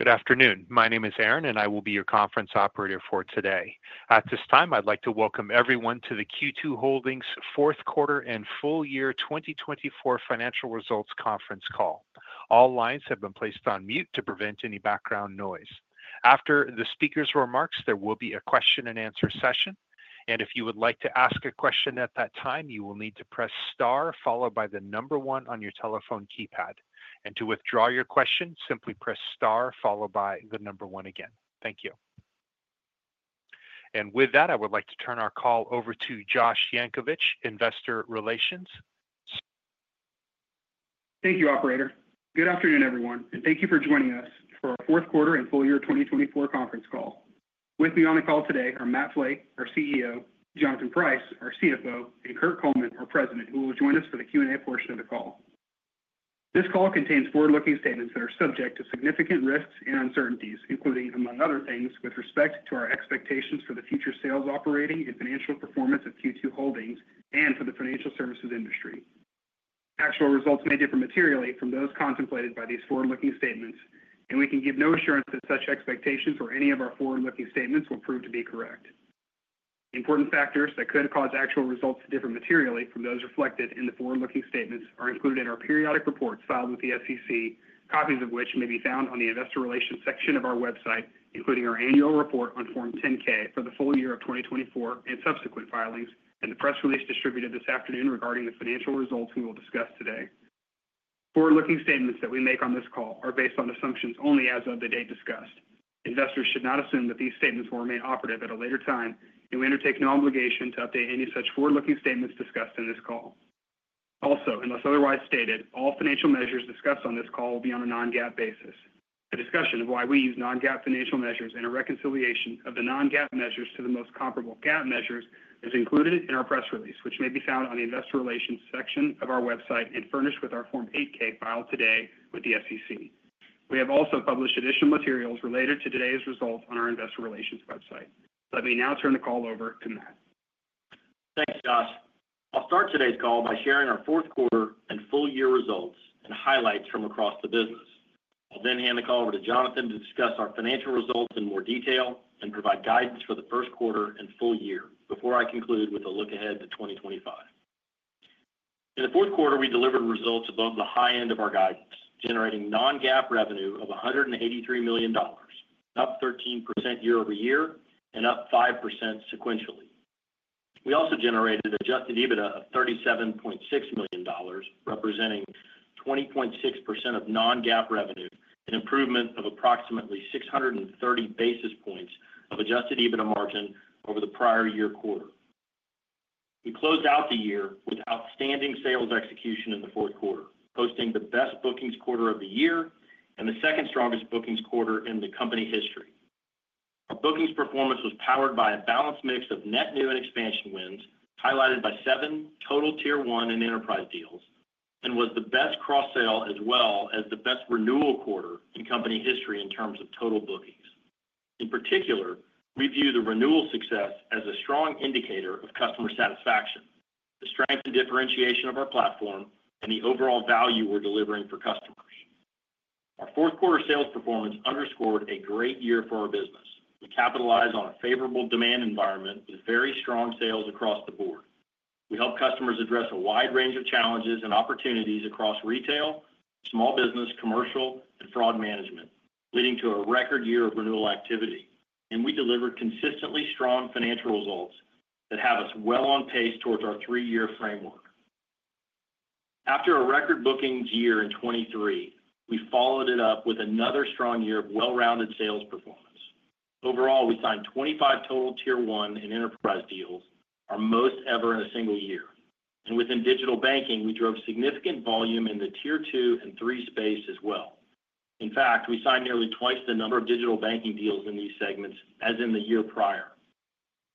Good afternoon. My name is Aaron, and I will be your conference operator for today. At this time, I'd like to welcome everyone to the Q2 Holdings Q4 and Full Year 2024 Financial Results Conference Call. All lines have been placed on mute to prevent any background noise. After the speaker's remarks, there will be a question-and-answer session, and if you would like to ask a question at that time, you will need to press star followed by the number one on your telephone keypad. And to withdraw your question, simply press star followed by the number one again. Thank you. And with that, I would like to turn our call over to Josh Yankovich, Investor Relations. Thank you, Operator. Good afternoon, everyone, and thank you for joining us for our Q4 and Full Year 2024 Conference Call. With me on the call today are Matt Flake, our CEO; Jonathan Price, our CFO; and Kirk Coleman, our President, who will join us for the Q&A portion of the call. This call contains forward-looking statements that are subject to significant risks and uncertainties, including, among other things, with respect to our expectations for the future sales operating and financial performance of Q2 Holdings and for the financial services industry. Actual results may differ materially from those contemplated by these forward-looking statements, and we can give no assurance that such expectations or any of our forward-looking statements will prove to be correct. Important factors that could cause actual results to differ materially from those reflected in the forward-looking statements are included in our periodic reports filed with the SEC copies of which may be found on the Investor Relations section of our website, including our annual report on Form 10-K for the full year of 2024 and subsequent filings, and the press release distributed this afternoon regarding the financial results we will discuss today. Forward-looking statements that we make on this call are ed on assumptions only as of the date discussed. Investors should not assume that these statements will remain operative at a later time, and we undertake no obligation to update any such forward-looking statements discussed in this call. Also, unless otherwise stated, all financial measures discussed on this call will be on a non-GAAP basis. The discussion of why we use non-GAAP financial measures and a reconciliation of the non-GAAP measures to the most comparable GAAP measures is included in our press release, which may be found on the Investor Relations section of our website and furnished with our Form 8-K filed today with the SEC. We have also published additional materials related to today's results on our Investor Relations website. Let me now turn the call over to Matt. Thanks, Josh. I'll start today's call by sharing our Q4 and full year results and highlights from across the business. I'll then hand the call over to Jonathan to discuss our financial results in more detail and provide guidance for the Q1 and full year before I conclude with a look ahead to 2025. In the Q4, we delivered results above the high end of our guidance, generating non-GAAP revenue of $183 million, up 13% year over year and up 5% sequentially. We also generated adjusted EBITDA of $37.6 million, representing 20.6% of non-GAAP revenue, an improvement of approximately 630 BaaSis points of adjusted EBITDA margin over the prior year quarter. We closed out the year with outstanding sales execution in the Q4, posting the best bookings quarter of the year and the second-strongest bookings quarter in the company history. Our bookings performance was powered by a balanced mix of net new and expansion wins highlighted by seven total Tier 1 and enterprise deals and was the best cross-sell as well as the best renewal quarter in company history in terms of total bookings. In particular, we view the renewal success as a strong indicator of customer satisfaction, the strength and differentiation of our platform, and the overall value we're delivering for customers. Our Q4 sales performance underscored a great year for our business. We capitalized on a favorable demand environment with very strong sales across the board. We helped customers address a wide range of challenges and opportunities across retail, small business, commercial, and fraud management, leading to a record year of renewal activity, and we delivered consistently strong financial results that have us well on pace towards our three-year framework. After a record bookings year in 2023, we followed it up with another strong year of well-rounded sales performance. Overall, we signed 25 total Tier 1 and enterprise deals, our most ever in a single year. And within digital banking, we drove significant volume in the Tier 2 and 3 space as well. In fact, we signed nearly twice the number of digital banking deals in these segments as in the year prior.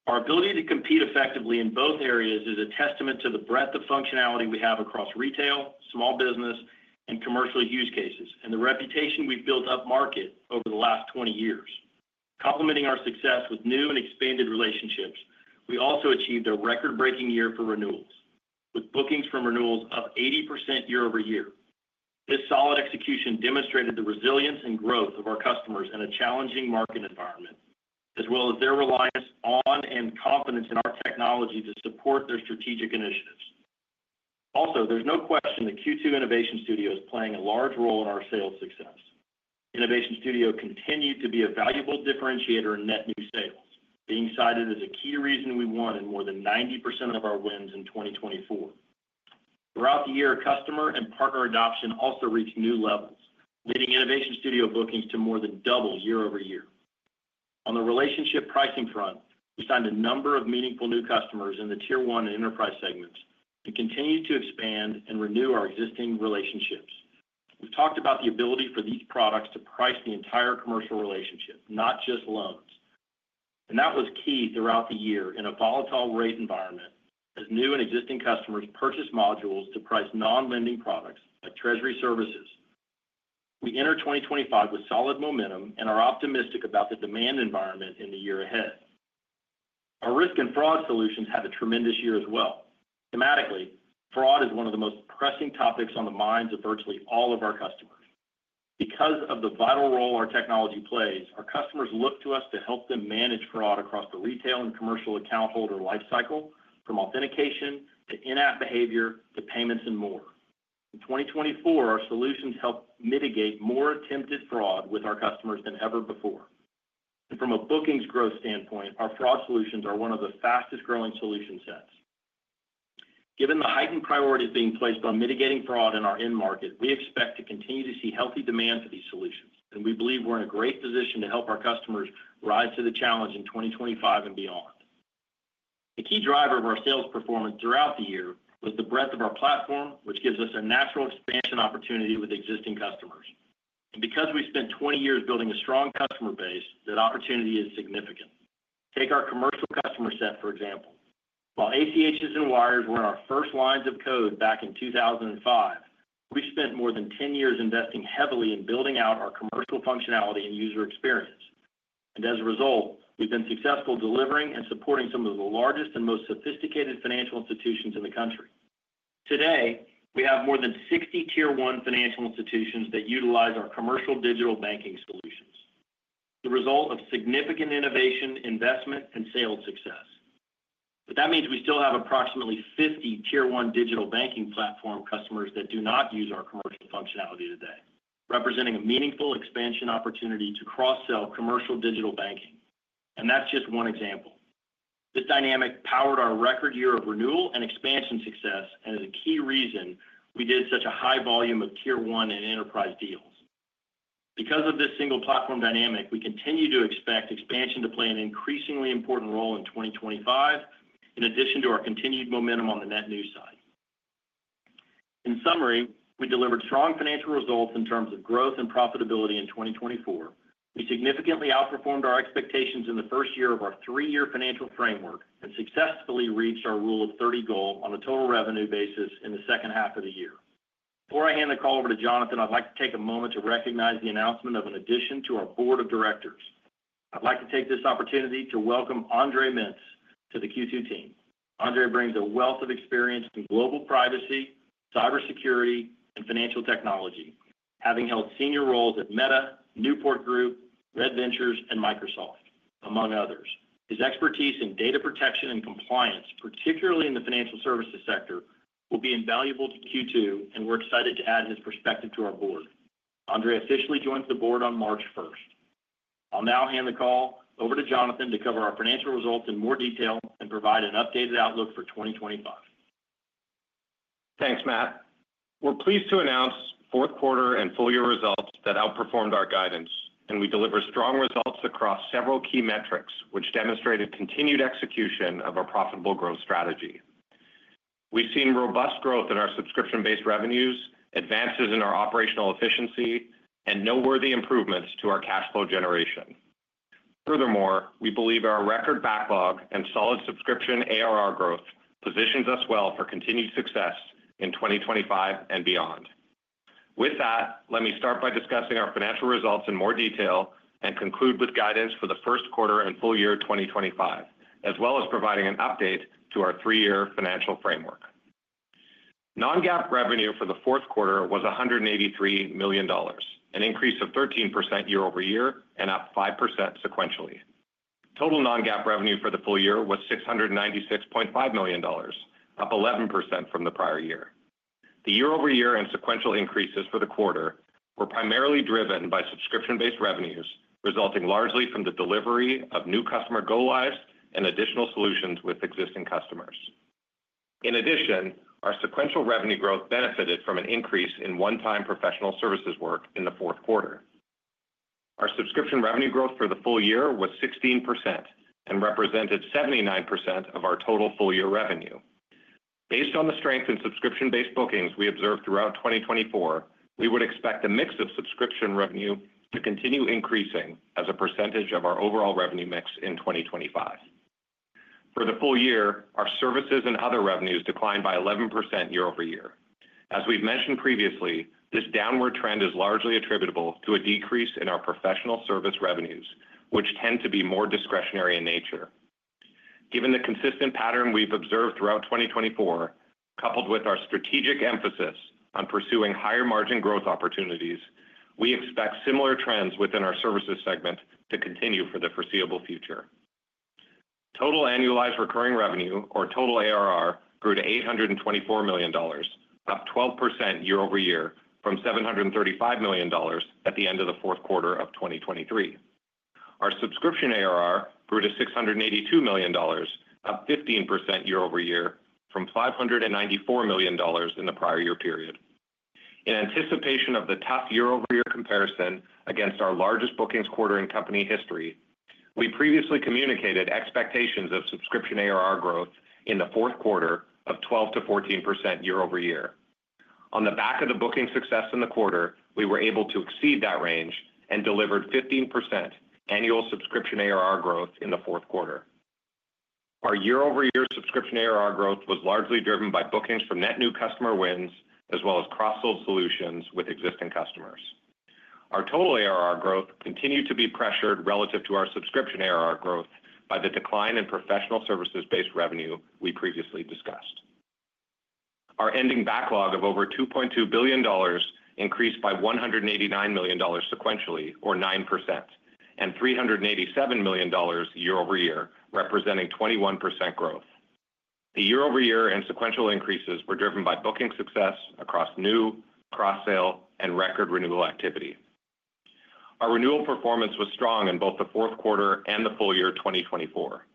Our ability to compete effectively in both areas is a testament to the breadth of functionality we have across retail, small business, and commercial use cases, and the reputation we've built up market over the last 20 years. Complementing our success with new and expanded relationships, we also achieved a record-breaking year for renewals, with bookings from renewals up 80% year over year. This solid execution demonstrated the resilience and growth of our customers in a challenging market environment, as well as their reliance on and confidence in our technology to support their strategic initiatives. Also, there's no question that Q2 Innovation Studio is playing a large role in our sales success. Innovation Studio continued to be a valuable differentiator in net new sales, being cited as a key reason we won in more than 90% of our wins in 2024. Throughout the year, customer and partner adoption also reached new levels, leading Innovation Studio bookings to more than double year over year. On the relationship pricing front, we signed a number of meaningful new customers in the Tier 1 and enterprise segments and continue to expand and renew our existing relationships. We've talked about the ability for these products to price the entire commercial relationship, not just loans. That was key throughout the year in a volatile rate environment, as new and existing customers purchased modules to price non-lending products like Treasury services. We enter 2025 with solid momentum and are optimistic about the demand environment in the year ahead. Our risk and fraud solutions had a tremendous year as well. Thematically, fraud is one of the most pressing topics on the minds of virtually all of our customers. Because of the vital role our technology plays, our customers look to us to help them manage fraud across the retail and commercial account holder lifecycle, from authentication to in-app behavior to payments and more. In 2024, our solutions helped mitigate more attempted fraud with our customers than ever before. From a bookings growth standpoint, our fraud solutions are one of the fastest-growing solution sets. Given the heightened priorities being placed on mitigating fraud in our end market, we expect to continue to see healthy demand for these solutions, and we believe we're in a great position to help our customers rise to the challenge in 2025 and beyond. A key driver of our sales performance throughout the year was the breadth of our platform, which gives us a natural expansion opportunity with existing customers. And because we spent 20 years building a strong customer base, that opportunity is significant. Take our commercial customer set, for example. While ACHs and wires were in our first lines of code back in 2005, we've spent more than 10 years investing heavily in building out our commercial functionality and user experience. And as a result, we've been successful delivering and supporting some of the largest and most sophisticated financial institutions in the country. Today, we have more than 60 Tier 1 financial institutions that utilize our commercial digital banking solutions, the result of significant innovation, investment, and sales success. But that means we still have approximately 50 Tier 1 digital banking platform customers that do not use our commercial functionality today, representing a meaningful expansion opportunity to cross-sell commercial digital banking. And that's just one example. This dynamic powered our record year of renewal and expansion success and is a key reason we did such a high volume of Tier 1 and enterprise deals. Because of this single platform dynamic, we continue to expect expansion to play an increasingly important role in 2025, in addition to our continued momentum on the net new side. In summary, we delivered strong financial results in terms of growth and profitability in 2024. We significantly outperformed our expectations in the first year of our three-year financial framework and successfully reached our Rule of 30 goal on a total revenue basis in the second half of the year. Before I hand the call over to Jonathan, I'd like to take a moment to recognize the announcement of an addition to our board of directors. I'd like to take this opportunity to welcome Andre Mintz to the Q2 team. Andre brings a wealth of experience in global privacy, cybersecurity, and financial technology, having held senior roles at Meta, Newport Group, Red Ventures, and Microsoft, among others. His expertise in data protection and compliance, particularly in the financial services sector, will be invaluable to Q2, and we're excited to add his perspective to our board. Andre officially joins the board on March 1st.I'll now hand the call over to Jonathan to cover our financial results in more detail and provide an updated outlook for 2025. Thanks, Matt. We're pleased to announce Q4 and full year results that outperformed our guidance, and we delivered strong results across several key metrics, which demonstrated continued execution of our profitable growth strategy. We've seen robust growth in our subscription-based revenues, advances in our operational efficiency, and noteworthy improvements to our cash flow generation. Furthermore, we believe our record backlog and solid subscription ARR growth positions us well for continued success in 2025 and beyond. With that, let me start by discussing our financial results in more detail and conclude with guidance for the Q1 and full year 2025, as well as providing an update to our three-year financial framework. Non-GAAP revenue for the Q4 was $183 million, an increase of 13% year over year and up 5% sequentially. Total non-GAAP revenue for the full year was $696.5 million, up 11% from the prior year. The year-over-year and sequential increases for the quarter were primarily driven by subscription-d revenues, resulting largely from the delivery of new customer go-lives and additional solutions with existing customers. In addition, our sequential revenue growth benefited from an increase in one-time professional services work in the Q4. Our subscription revenue growth for the full year was 16% and represented 79% of our total full-year revenue. BaaS on the strength in subscription-based bookings we observed throughout 2024, we would expect the mix of subscription revenue to continue increasing as a percentage of our overall revenue mix in 2025. For the full year, our services and other revenues declined by 11% year over year. As we've mentioned previously, this downward trend is largely attributable to a decrease in our professional service revenues, which tend to be more discretionary in nature. Given the consistent pattern we've observed throughout 2024, coupled with our strategic emphasis on pursuing higher margin growth opportunities, we expect similar trends within our services segment to continue for the foreseeable future. Total annualized recurring revenue, or total ARR, grew to $824 million, up 12% year-over-year from $735 million at the end of the Q4 of 2023. Our subscription ARR grew to $682 million, up 15% year-over-year from $594 million in the prior year period. In anticipation of the tough year-over-year comparison against our largest bookings quarter in company history, we previously communicated expectations of subscription ARR growth in the Q4 of 12%-14% year-over-year. On the back of the booking success in the quarter, we were able to exceed that range and delivered 15% annual subscription ARR growth in the Q4. Our year-over-year subscription ARR growth was largely driven by bookings from net new customer wins as well as cross-sold solutions with existing customers. Our total ARR growth continued to be pressured relative to our subscription ARR growth by the decline in professional services-based revenue we previously discussed. Our ending backlog of over $2.2 billion increased by $189 million sequentially, or 9%, and $387 million year-over-year, representing 21% growth. The year-over-year and sequential increases were driven by booking success across new,, and record renewal activity. Our renewal performance was strong in both the Q4 and the full year 2024.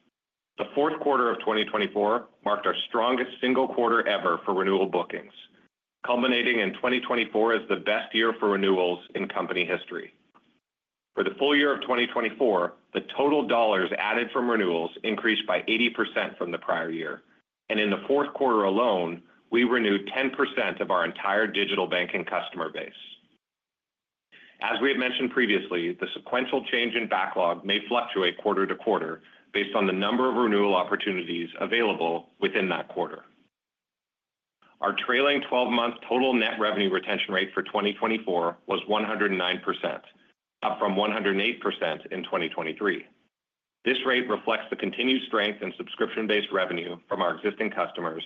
The Q4 of 2024 marked our strongest single quarter ever for renewal bookings, culminating in 2024 as the best year for renewals in company history. For the full year of 2024, the total dollars added from renewals increased by 80% from the prior year, and in the Q4 alone, we renewed 10% of our entire digital banking customer base. As we have mentioned previously, the sequential change in backlog may fluctuate quarter to quarter BaaS on the number of renewal opportunities available within that quarter. Our trailing 12-month total net revenue retention rate for 2024 was 109%, up from 108% in 2023. This rate reflects the continued strength in subscription-based revenue from our existing customers,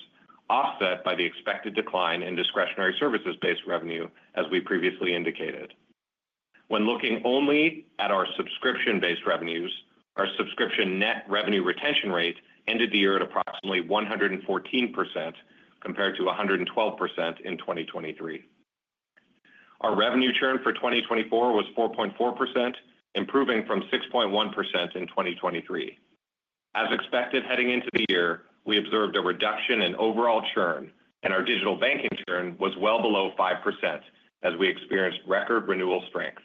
offset by the expected decline in discretionary services-based revenue, as we previously indicated. When looking only at our subscription-based revenues, our subscription net revenue retention rate ended the year at approximately 114% compared to 112% in 2023. Our revenue churn for 2024 was 4.4%, improving from 6.1% in 2023. As expected, heading into the year, we observed a reduction in overall churn, and our digital banking churn was well below 5% as we experienced record renewal strength.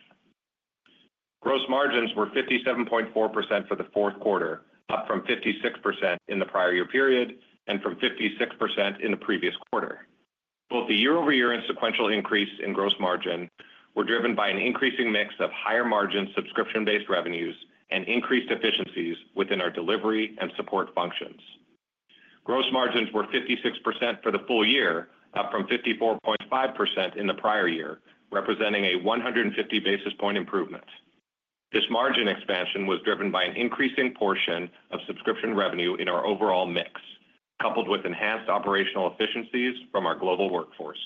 Gross margins were 57.4% for the Q4, up from 56% in the prior year period and from 56% in the previous quarter. Both the year-over-year and sequential increase in gross margin were driven by an increasing mix of higher margin subscription-based revenues and increased efficiencies within our delivery and support functions. Gross margins were 56% for the full year, up from 54.5% in the prior year, representing a 150-basis-point improvement. This margin expansion was driven by an increasing portion of subscription revenue in our overall mix, coupled with enhanced operational efficiencies from our global workforce.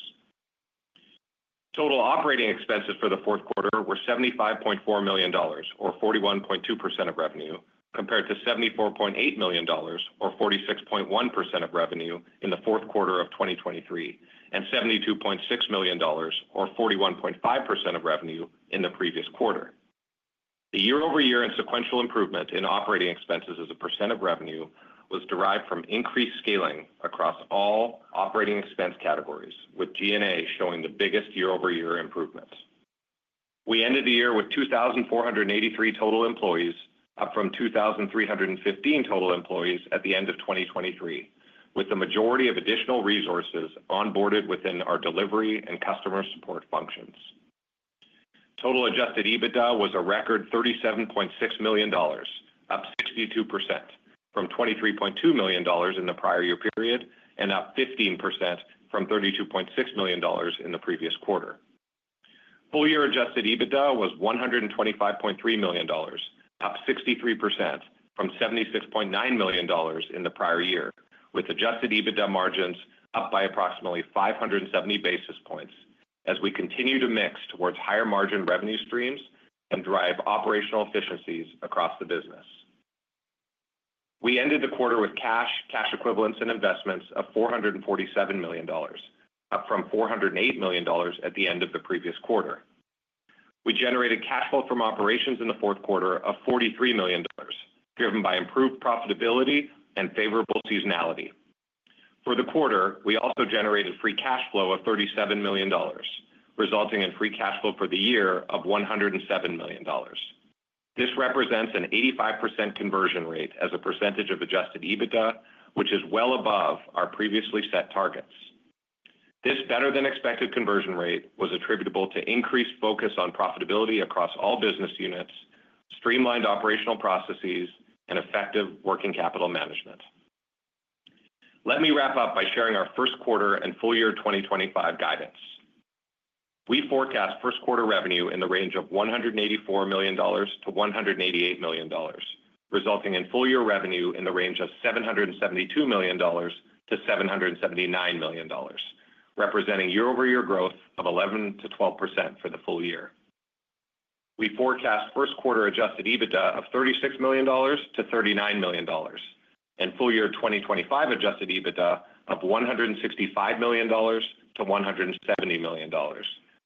Total operating expenses for the Q4 were $75.4 million, or 41.2% of revenue, compared to $74.8 million, or 46.1% of revenue in the Q4 of 2023, and $72.6 million, or 41.5% of revenue in the previous quarter. The year-over-year and sequential improvement in operating expenses as a % of revenue was derived from increased scaling across all operating expense categories, with G&A showing the biggest year-over-year improvement. We ended the year with 2,483 total employees, up from 2,315 total employees at the end of 2023, with the majority of additional resources onboarded within our delivery and customer support functions. Total adjusted EBITDA was a record $37.6 million, up 62% from $23.2 million in the prior year period and up 15% from $32.6 million in the previous quarter. Full-year adjusted EBITDA was $125.3 million, up 63% from $76.9 million in the prior year, with adjusted EBITDA margins up by approximately 570 basis points as we continue to mix toward higher margin revenue streams and drive operational efficiencies across the business. We ended the quarter with cash, cash equivalents, and investments of $447 million, up from $408 million at the end of the previous quarter. We generated cash flow from operations in the Q4 of $43 million, driven by improved profitability and favorable seasonality. For the quarter, we also generated free cash flow of $37 million, resulting in free cash flow for the year of $107 million. This represents an 85% conversion rate as a percentage of adjusted EBITDA, which is well above our previously set targets. This better-than-expected conversion rate was attributable to increased focus on profitability across all business units, streamlined operational processes, and effective working capital management. Let me wrap up by sharing our Q1 and Full Year 2025 guidance. We forecast Q1 revenue in the range of $184 to 188 million, resulting in full-year revenue in the range of $772 to 779 million, representing year-over-year growth of 11%-12% for the full year. We forecast Q1 Adjusted EBITDA of $36 to 39 million, and full-year 2025 Adjusted EBITDA of $165 to 170 million,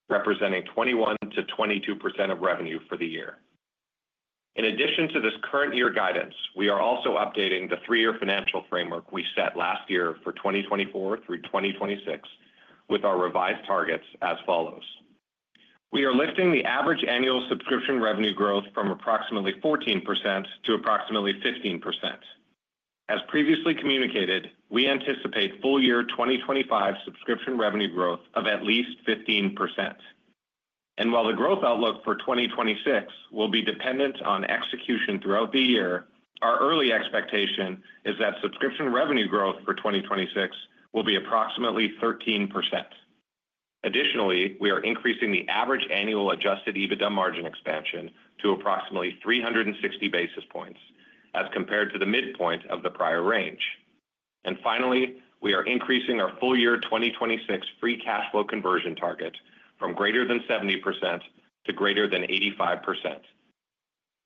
representing 21%-22% of revenue for the year. In addition to this current-year guidance, we are also updating the three-year financial framework we set last year for 2024 through 2026 with our revised targets as follows. We are lifting the average annual subscription revenue growth from approximately 14% to approximately 15%. As previously communicated, we anticipate full-year 2025 subscription revenue growth of at least 15%, and while the growth outlook for 2026 will be dependent on execution throughout the year, our early expectation is that subscription revenue growth for 2026 will be approximately 13%. Additionally, we are increasing the average annual adjusted EBITDA margin expansion to approximately 360 basis points as compared to the midpoint of the prior range, and finally, we are increasing our full-year 2026 free cash flow conversion target from greater than 70% to greater than 85%.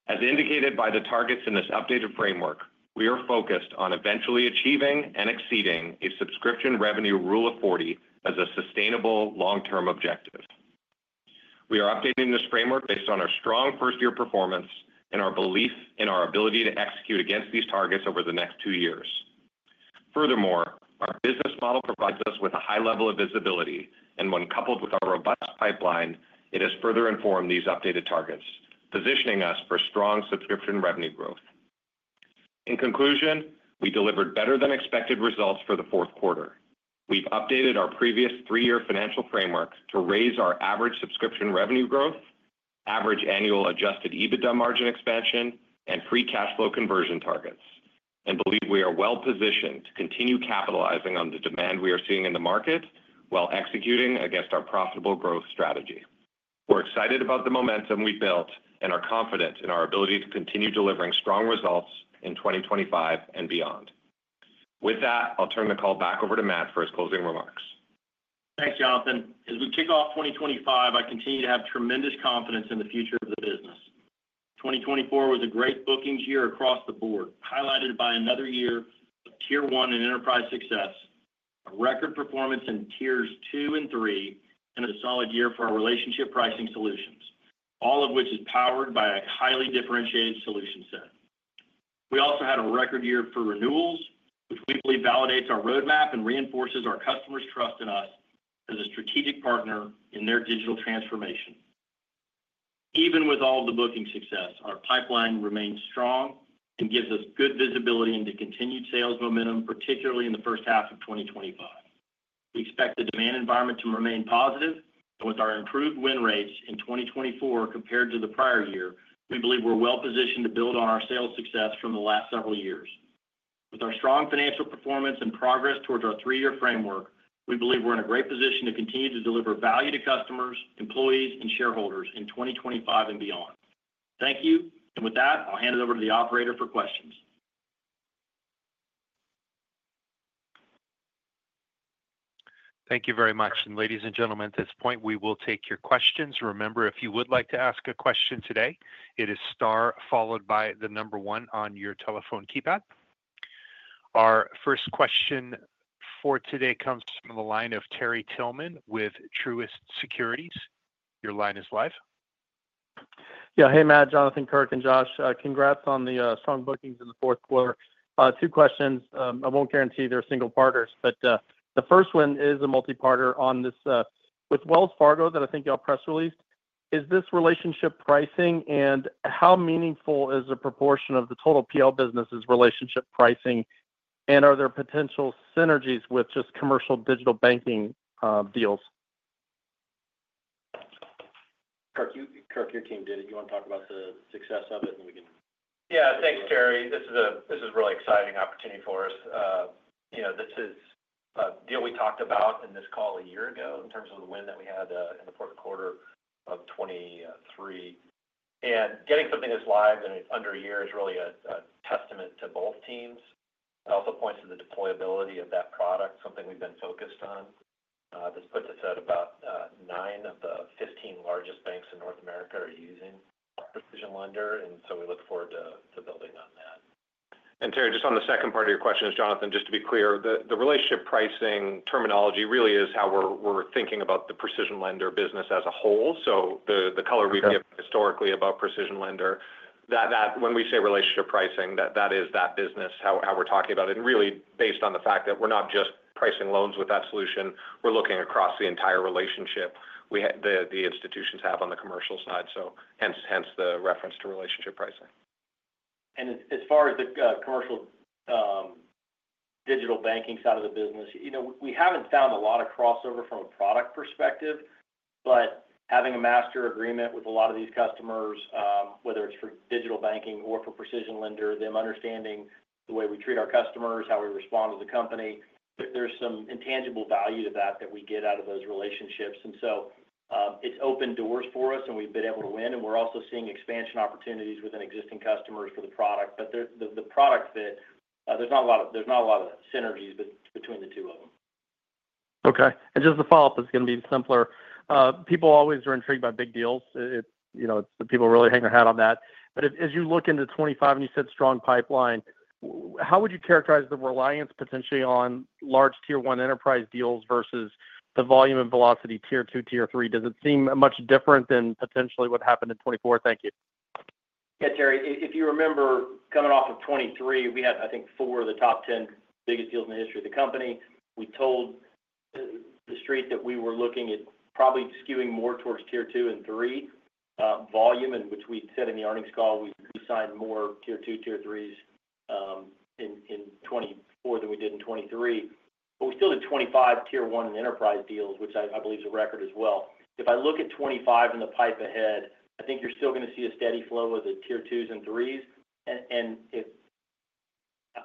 As indicated by the targets in this updated framework, we are focused on eventually achieving and exceeding a subscription revenue Rule of 40 as a sustainable long-term objective. We are updating this framework based on our strong first-year performance and our belief in our ability to execute against these targets over the next two years. Furthermore, our business model provides us with a high level of visibility, and when coupled with our robust pipeline, it has further informed these updated targets, positioning us for strong subscription revenue growth. In conclusion, we delivered better-than-expected results for the Q4. We've updated our previous three-year financial framework to raise our average subscription revenue growth, average annual Adjusted EBITDA margin expansion, and free cash flow conversion targets, and believe we are well-positioned to continue capitalizing on the demand we are seeing in the market while executing against our profitable growth strategy. We're excited about the momentum we've built and are confident in our ability to continue delivering strong results in 2025 and beyond. With that, I'll turn the call back over to Matt for his closing remarks. Thanks, Jonathan. As we kick off 2025, I continue to have tremendous confidence in the future of the business. 2024 was a great bookings year across the board, highlighted by another year of Tier 1 and enterprise success, a record performance in Tiers 2 and 3, and a solid year for our relationship pricing solutions, all of which is powered by a highly differentiated solution set. We also had a record year for renewals, which we believe validates our roadmap and reinforces our customers' trust in us as a strategic partner in their digital transformation. Even with all of the booking success, our pipeline remains strong and gives us good visibility into continued sales momentum, particularly in the first half of 2025. We expect the demand environment to remain positive, and with our improved win rates in 2024 compared to the prior year, we believe we're well-positioned to build on our sales success from the last several years. With our strong financial performance and progress towards our three-year framework, we believe we're in a great position to continue to deliver value to customers, employees, and shareholders in 2025 and beyond. Thank you, and with that, I'll hand it over to the operator for questions. Thank you very much. And ladies and gentlemen, at this point, we will take your questions. Remember, if you would like to ask a question today, it is star followed by the number one on your telephone keypad. Our first question for today comes from the line of Terry Tillman with Truist Securities. Your line is live. Yeah. Hey, Matt, Jonathan, Kirk, and Josh. Congrats on the strong bookings in the Q4. Two questions. I won't guarantee they're single partners, but the first one is a multi-part on this with Wells Fargo that I think y'all press released. Is this relationship pricing, and how meaningful is a proportion of the total PL business's relationship pricing, and are there potential synergies with just commercial digital banking deals? Kirk, your team,, you want to talk about the success of it, and we can. Yeah. Thanks, Terry. This is a really exciting opportunity for us. This is a deal we talked about in this call a year ago in terms of the win that we had in the Q4 of 2023. And getting something that's live and it's under a year is really a testament to both teams. It also points to the deployability of that product, something we've been focused on. This puts us at about nine of the 15 largest banks in North America are using PrecisionLender, and so we look forward to building on that. And Terry, just on the second part of your question, Jonathan, just to be clear, the relationship pricing terminology really is how we're thinking about the PrecisionLender business as a whole. So the color we've given historically about PrecisionLender, when we say relationship pricing, that is that business, how we're talking about it, and really based on the fact that we're not just pricing loans with that solution. We're looking across the entire relationship the institutions have on the commercial side, so hence the reference to relationship pricing. As far as the commercial digital banking side of the business, we haven't found a lot of crossover from a product perspective, but having a master agreement with a lot of these customers, whether it's for digital banking or for PrecisionLender, them understanding the way we treat our customers, how we respond to the company, there's some intangible value to that that we get out of those relationships. So it's open doors for us, and we've been able to win, and we're also seeing expansion opportunities within existing customers for the product. But the product fit, there's not a lot of synergies between the two of them. Okay. Just to follow up, it's going to be simpler. People always are intrigued by big deals. It's the people really hang their hat on that. But as you look into 2025 and you said strong pipeline, how would you characterize the reliance potentially on large Tier 1 enterprise deals versus the volume and velocity Tier 2, Tier 3? Does it seem much different than potentially what happened in 2024? Thank you. Yeah, Terry. If you remember coming off of 2023, we had, I think, four of the top 10 biggest deals in the history of the company. We told the street that we were looking at probably skewing more towards Tier 2 and Tier 3 volume, and which we said in the earnings call, we signed more Tier 2, Tier 3s in 2024 than we did in 2023. But we still did 25 Tier 1 and enterprise deals, which I believe is a record as well. If I look at 2025 and the pipeline ahead, I think you're still going to see a steady flow of the Tier 2s and 3s.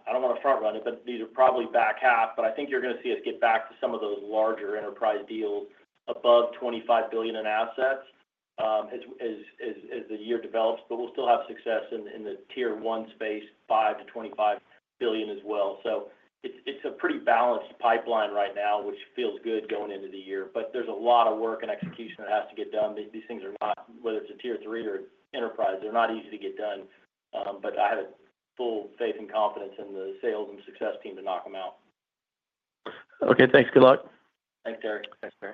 I don't want to front-run it, but these are probably back half, but I think you're going to see us get back to some of those larger enterprise deals above $25 billion in assets as the year develops, but we'll still have success in the Tier 1 space, $5-25 billion as well. So it's a pretty balanced pipeline right now, which feels good going into the year, but there's a lot of work and execution that has to get done these things are not, whether it's a Tier 3 or enterprise, they're not easy to get done, but I have full faith and confidence in the sales and success team to knock them out. Okay. Thanks. Good luck. Thanks, Terry. Thanks, Terry.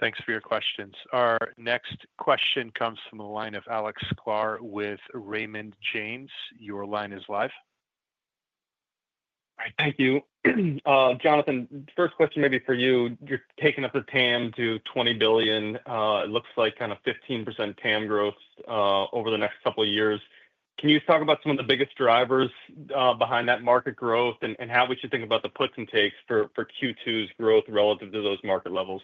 Thanks for your questions. Our next question comes from the line of Alex Sklar with Raymond James. Your line is live. All right. Thank you. Jonathan, first question maybe for you. You're taking up the TAM to $20 billion. It looks like kind of 15% TAM growth over the next couple of years. Can you talk about some of the biggest drivers behind that market growth and how we should think about the puts and takes for Q2's growth relative to those market levels?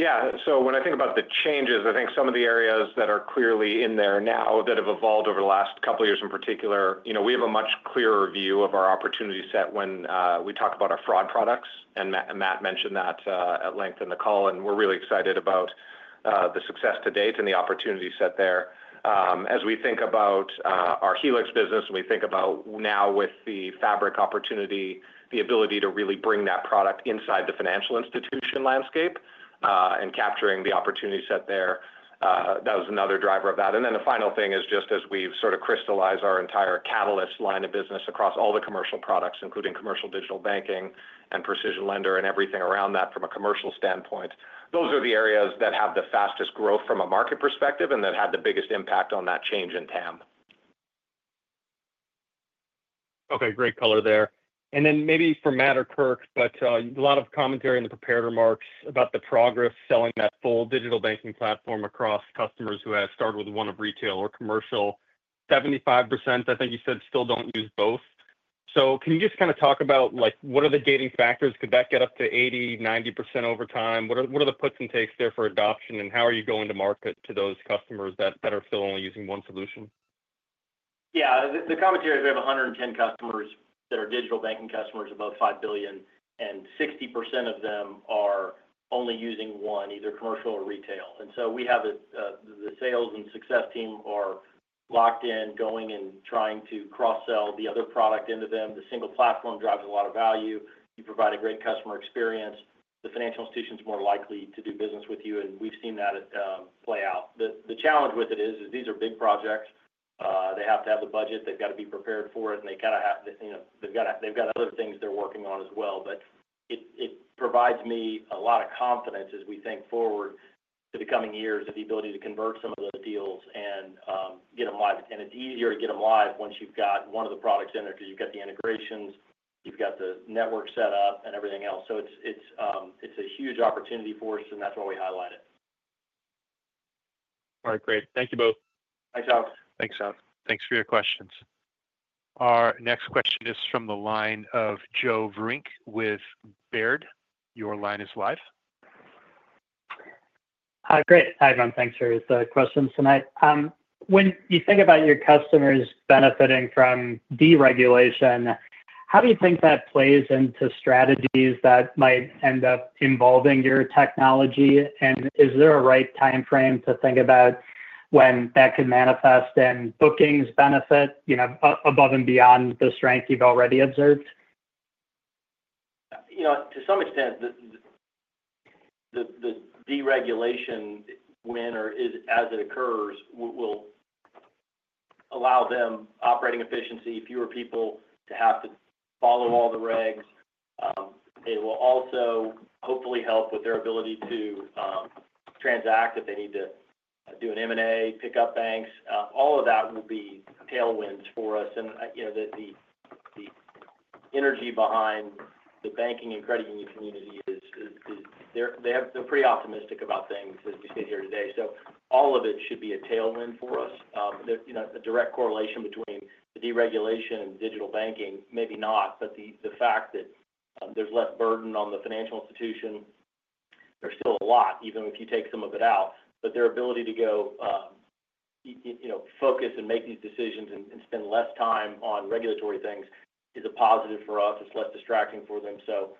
Thanks. Yeah. So when I think about the changes, I think some of the areas that are clearly in there now that have evolved over the last couple of years in particular, we have a much clearer view of our opportunity set when we talk about our fraud products, and Matt mentioned that at length in the call, and we're really excited about the success to date and the opportunity set there. As we think about our Helix business and we think about now with the Fabric opportunity, the ability to really bring that product inside the financial institution landscape and capturing the opportunity set there, that was another driver of that and then the final thing is just as we've sort of crystallized our entire Catalyst line of business across all the commercial products, including Commercial Digital Banking and PrecisionLender and everything around that from a commercial standpoint, those are the areas that have the fastest growth from a market perspective and that had the biggest impact on that change in TAM. Okay. Great color there. And then maybe for Matt or Kirk, but a lot of commentary in the prepared remarks about the progress selling that full digital banking platform across customers who have started with one of retail or commercial. 75%, I think you said, still don't use both. So can you just kind of talk about what are the gating factors? Could that get up to 80%-90% over time? What are the puts and takes there for adoption, and how are you going to market to those customers that are still only using one solution? Yeah. The commentary is we have 110 customers that are digital banking customers above $5 billion, and 60% of them are only using one, either commercial or retail, and so we have the sales and success team are locked in, going and trying to cross-sell the other product into them the single platform drives a lot of value. You provide a great customer experience. The financial institution is more likely to do business with you, and we've seen that play out. The challenge with it is these are big projects. They have to have the budget they've got to be prepared for it, and they kind of, they've got other things they're working on as well. But it provides me a lot of confidence as we think forward to the coming years of the ability to convert some of those deals and get them live and it's easier to get them live once you've got one of the products in there because you've got the integrations, you've got the network set up, and everything else so it's a huge opportunity for us, and that's why we highlight it. All right. Great. Thank you both. Thanks, Alex. Thanks, John. Thanks for your questions. Our next question is from the line of Joe Vafi with Baird. Your line is live. Hi, Greg. Hi, everyone. Thanks for the questions tonight. When you think about your customers benefiting from deregulation, how do you think that plays into strategies that might end up involving your technology? Is there a right time frame to think about when that could manifest in bookings benefit above and beyond the strength you've already observed? To some extent, the deregulation winner is, as it occurs, will allow them operating efficiency, fewer people to have to follow all the regs. It will also hopefully help with their ability to transact if they need to do an M&A, pick up banks. All of that will be tailwinds for us. The energy behind the banking and credit union community is they're pretty optimistic about things as we sit here today. All of it should be a tailwind for us. A direct correlation between the deregulation and digital banking, maybe not, but the fact that there's less burden on the financial institution. There's still a lot, even if you take some of it out. But their ability to go focus and make these decisions and spend less time on regulatory things is a positive for us. It's less distracting for them. So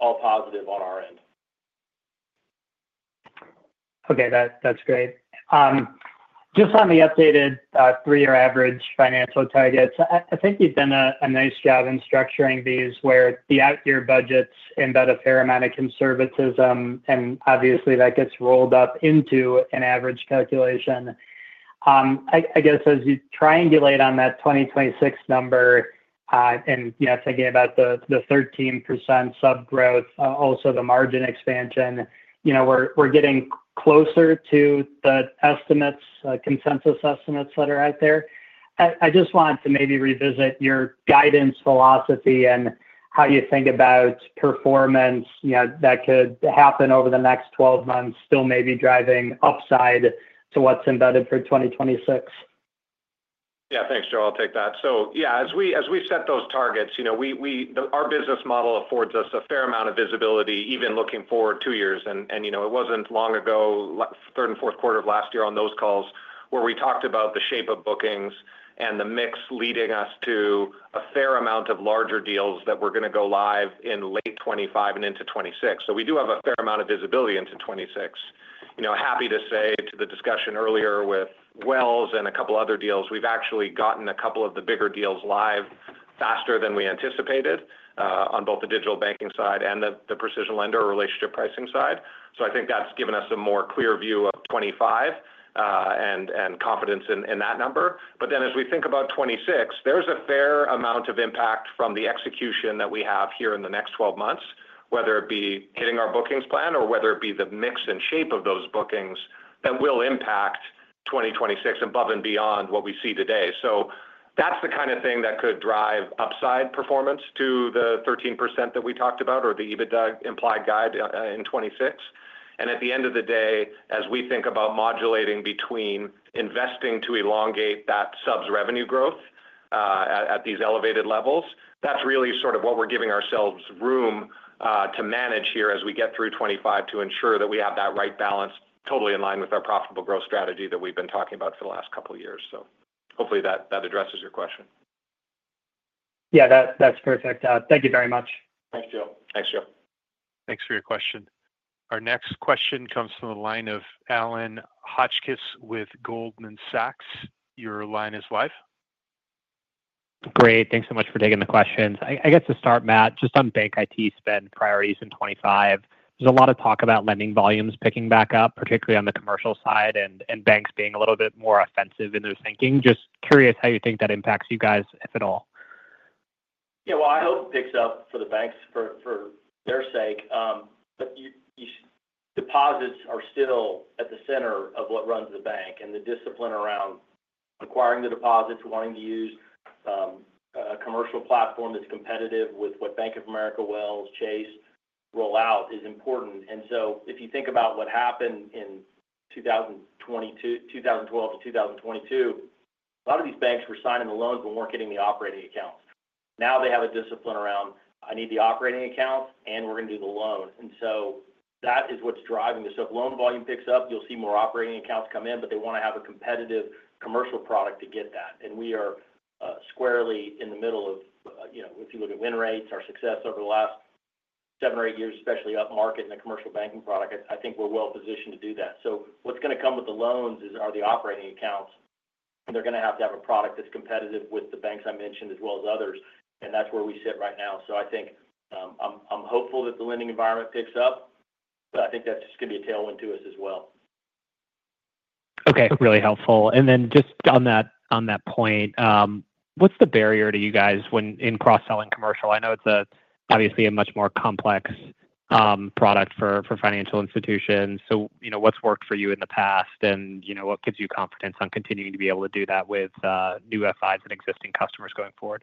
all positive on our end. Okay. That's great. Just on the updated three-year average financial targets, I think you've done a nice job in structuring these where the out-year budgets embed a fair amount of conservatism, and obviously that gets rolled up into an average calculation. I guess as you triangulate on that 2026 number and thinking about the 13% subscription growth, also the margin expansion, we're getting closer to the estimates, consensus estimates that are out there. I just wanted to maybe revisit your guidance philosophy and how you think about performance that could happen over the next 12 months, still maybe driving upside to what's embedded for 2026. Yeah. Thanks, Joe. I'll take that. So yeah, as we set those targets, our business model affords us a fair amount of visibility, even looking forward two years. And it wasn't long ago, third and Q4 of last year on those calls where we talked about the shape of bookings and the mix leading us to a fair amount of larger deals that we're going to go live in late 2025 and into 2026. So we do have a fair amount of visibility into 2026. Happy to say to the discussion earlier with Wells and a couple of other deals, we've actually gotten a couple of the bigger deals live faster than we anticipated on both the digital banking side and the PrecisionLender or relationship pricing side. So I think that's given us a more clear view of 2025 and confidence in that number. But then as we think about 2026, there's a fair amount of impact from the execution that we have here in the next 12 months, whether it be hitting our bookings plan or whether it be the mix and shape of those bookings that will impact 2026 above and beyond what we see today. So that's the kind of thing that could drive upside performance to the 13% that we talked about or the EBITDA implied guide in 2026. And at the end of the day, as we think about modulating between investing to elongate that subs revenue growth at these elevated levels, that's really sort of what we're giving ourselves room to manage here as we get through 2025 to ensure that we have that right balance totally in line with our profitable growth strategy that we've been talking about for the last couple of years. So hopefully that addresses your question. Yeah. That's perfect. Thank you very much. Thanks, Joe. Thanks, Joe. Thanks for your question. Our next question comes from the line of Adam Hotchkiss with Goldman Sachs. Your line is live. Great. Thanks so much for taking the questions. I guess to start, Matt, just on bank IT spend priorities in 2025, there's a lot of talk about lending volumes picking back up, particularly on the commercial side and banks being a little bit more offensive in their thinking. Just curious how you think that impacts you guys, if at all. Yeah. Well, I hope it picks up for the banks for their sake, but deposits are still at the center of what runs the bank, and the discipline around acquiring the deposits, wanting to use a commercial platform that's competitive with what Bank of America, Wells, Chase roll out is important. And so, if you think about what happened in 2012 to 2022, a lot of these banks were signing the loans but weren't getting the operating accounts. Now they have a discipline around, "I need the operating accounts, and we're going to do the loan." And so that is what's driving this. So if loan volume picks up, you'll see more operating accounts come in, but they want to have a competitive commercial product to get that. And we are squarely in the middle of it. If you look at win rates, our success over the last seven or eight years, especially upmarket in a commercial banking product, I think we're well positioned to do that. So what's going to come with the loans are the operating accounts. And they're going to have to have a product that's competitive with the banks I mentioned as well as others. And that's where we sit right now. So I think I'm hopeful that the lending environment picks up, but I think that's just going to be a tailwind to us as well. Okay. Really helpful. And then just on that point, what's the barrier to you guys when in cross-selling commercial? I know it's obviously a much more complex product for financial institutions. So what's worked for you in the past, and what gives you confidence on continuing to be able to do that with new FIs and existing customers going forward?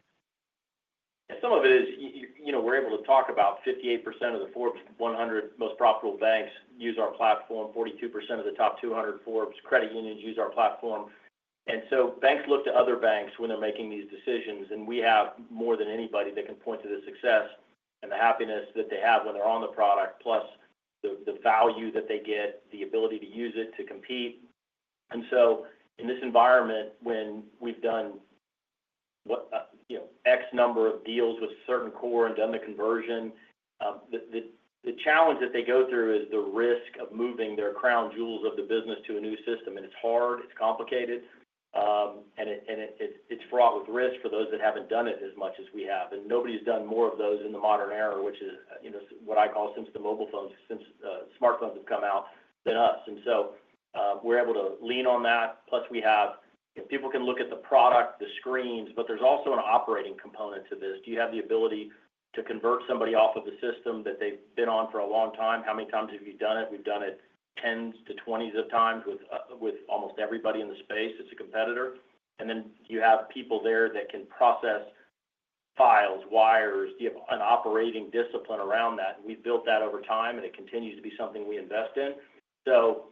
Some of it is we're able to talk about 58% of the Forbes 100 most profitable banks use our platform, 42% of the top 200 Forbes credit unions use our platform. And so banks look to other banks when they're making these decisions, and we have more than anybody that can point to the success and the happiness that they have when they're on the product, plus the value that they get, the ability to use it to compete. And so in this environment, when we've done X number of deals with certain core and done the conversion, the challenge that they go through is the risk of moving their crown jewels of the business to a new system. And it's hard. It's complicated. And it's fraught with risk for those that haven't done it as much as we have. And nobody's done more of those in the modern era, which is what I call since the mobile phones, since smartphones have come out, than us. And so we're able to lean on that. Plus, we have people can look at the product, the screens, but there's also an operating component to this. Do you have the ability to convert somebody off of the system that they've been on for a long time? How many times have you done it? We've done it tens to twenties of times with almost everybody in the space. It's a competitor. And then you have people there that can process files, wires. Do you have an operating discipline around that? We've built that over time, and it continues to be something we invest in. So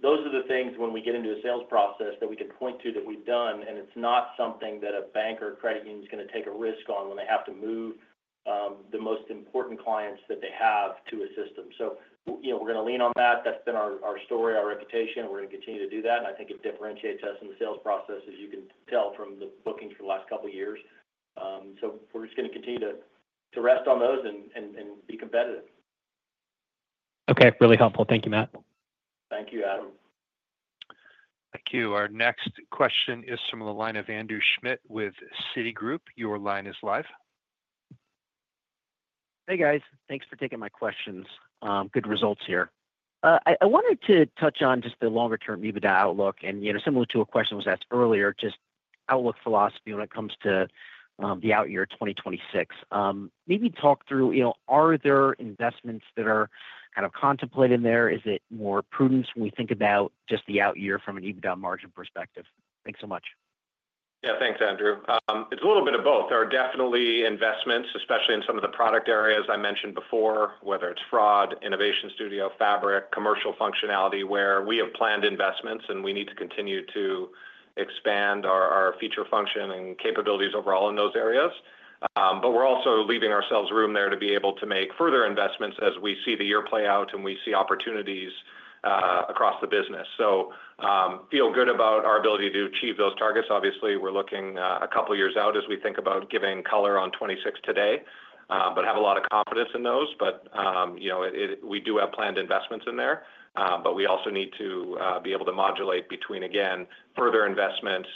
those are the things when we get into a sales process that we can point to that we've done, and it's not something that a bank or a credit union is going to take a risk on when they have to move the most important clients that they have to a system. So we're going to lean on that. That's been our story, our reputation. We're going to continue to do that. And I think it differentiates us in the sales process, as you can tell from the bookings for the last couple of years. So we're just going to continue to rest on those and be competitive. Okay. Really helpful. Thank you, Matt. Thank you, Adam. Thank you. Our next question is from the line of Andrew Schmidt with Citigroup. Your line is live. Hey, guys. Thanks for taking my questions. Good results here. I wanted to touch on just the longer-term EBITDA outlook. And similar to a question was asked earlier, just outlook philosophy when it comes to the out-year 2026. Maybe talk through, are there investments that are kind of contemplated there? Is it more prudence when we think about just the out-year from an EBITDA margin perspective? Thanks so much. Yeah. Thanks, Andrew. It's a little bit of both. There are definitely investments, especially in some of the product areas I mentioned before, whether it's fraud, Innovation Studio, Fabric, commercial functionality, where we have planned investments, and we need to continue to expand our feature function and capabilities overall in those areas. But we're also leaving ourselves room there to be able to make further investments as we see the year play out and we see opportunities across the business. So feel good about our ability to achieve those targets. Obviously, we're looking a couple of years out as we think about giving color on 2026 today, but have a lot of confidence in those. But we do have planned investments in there, but we also need to be able to modulate between, again, further investments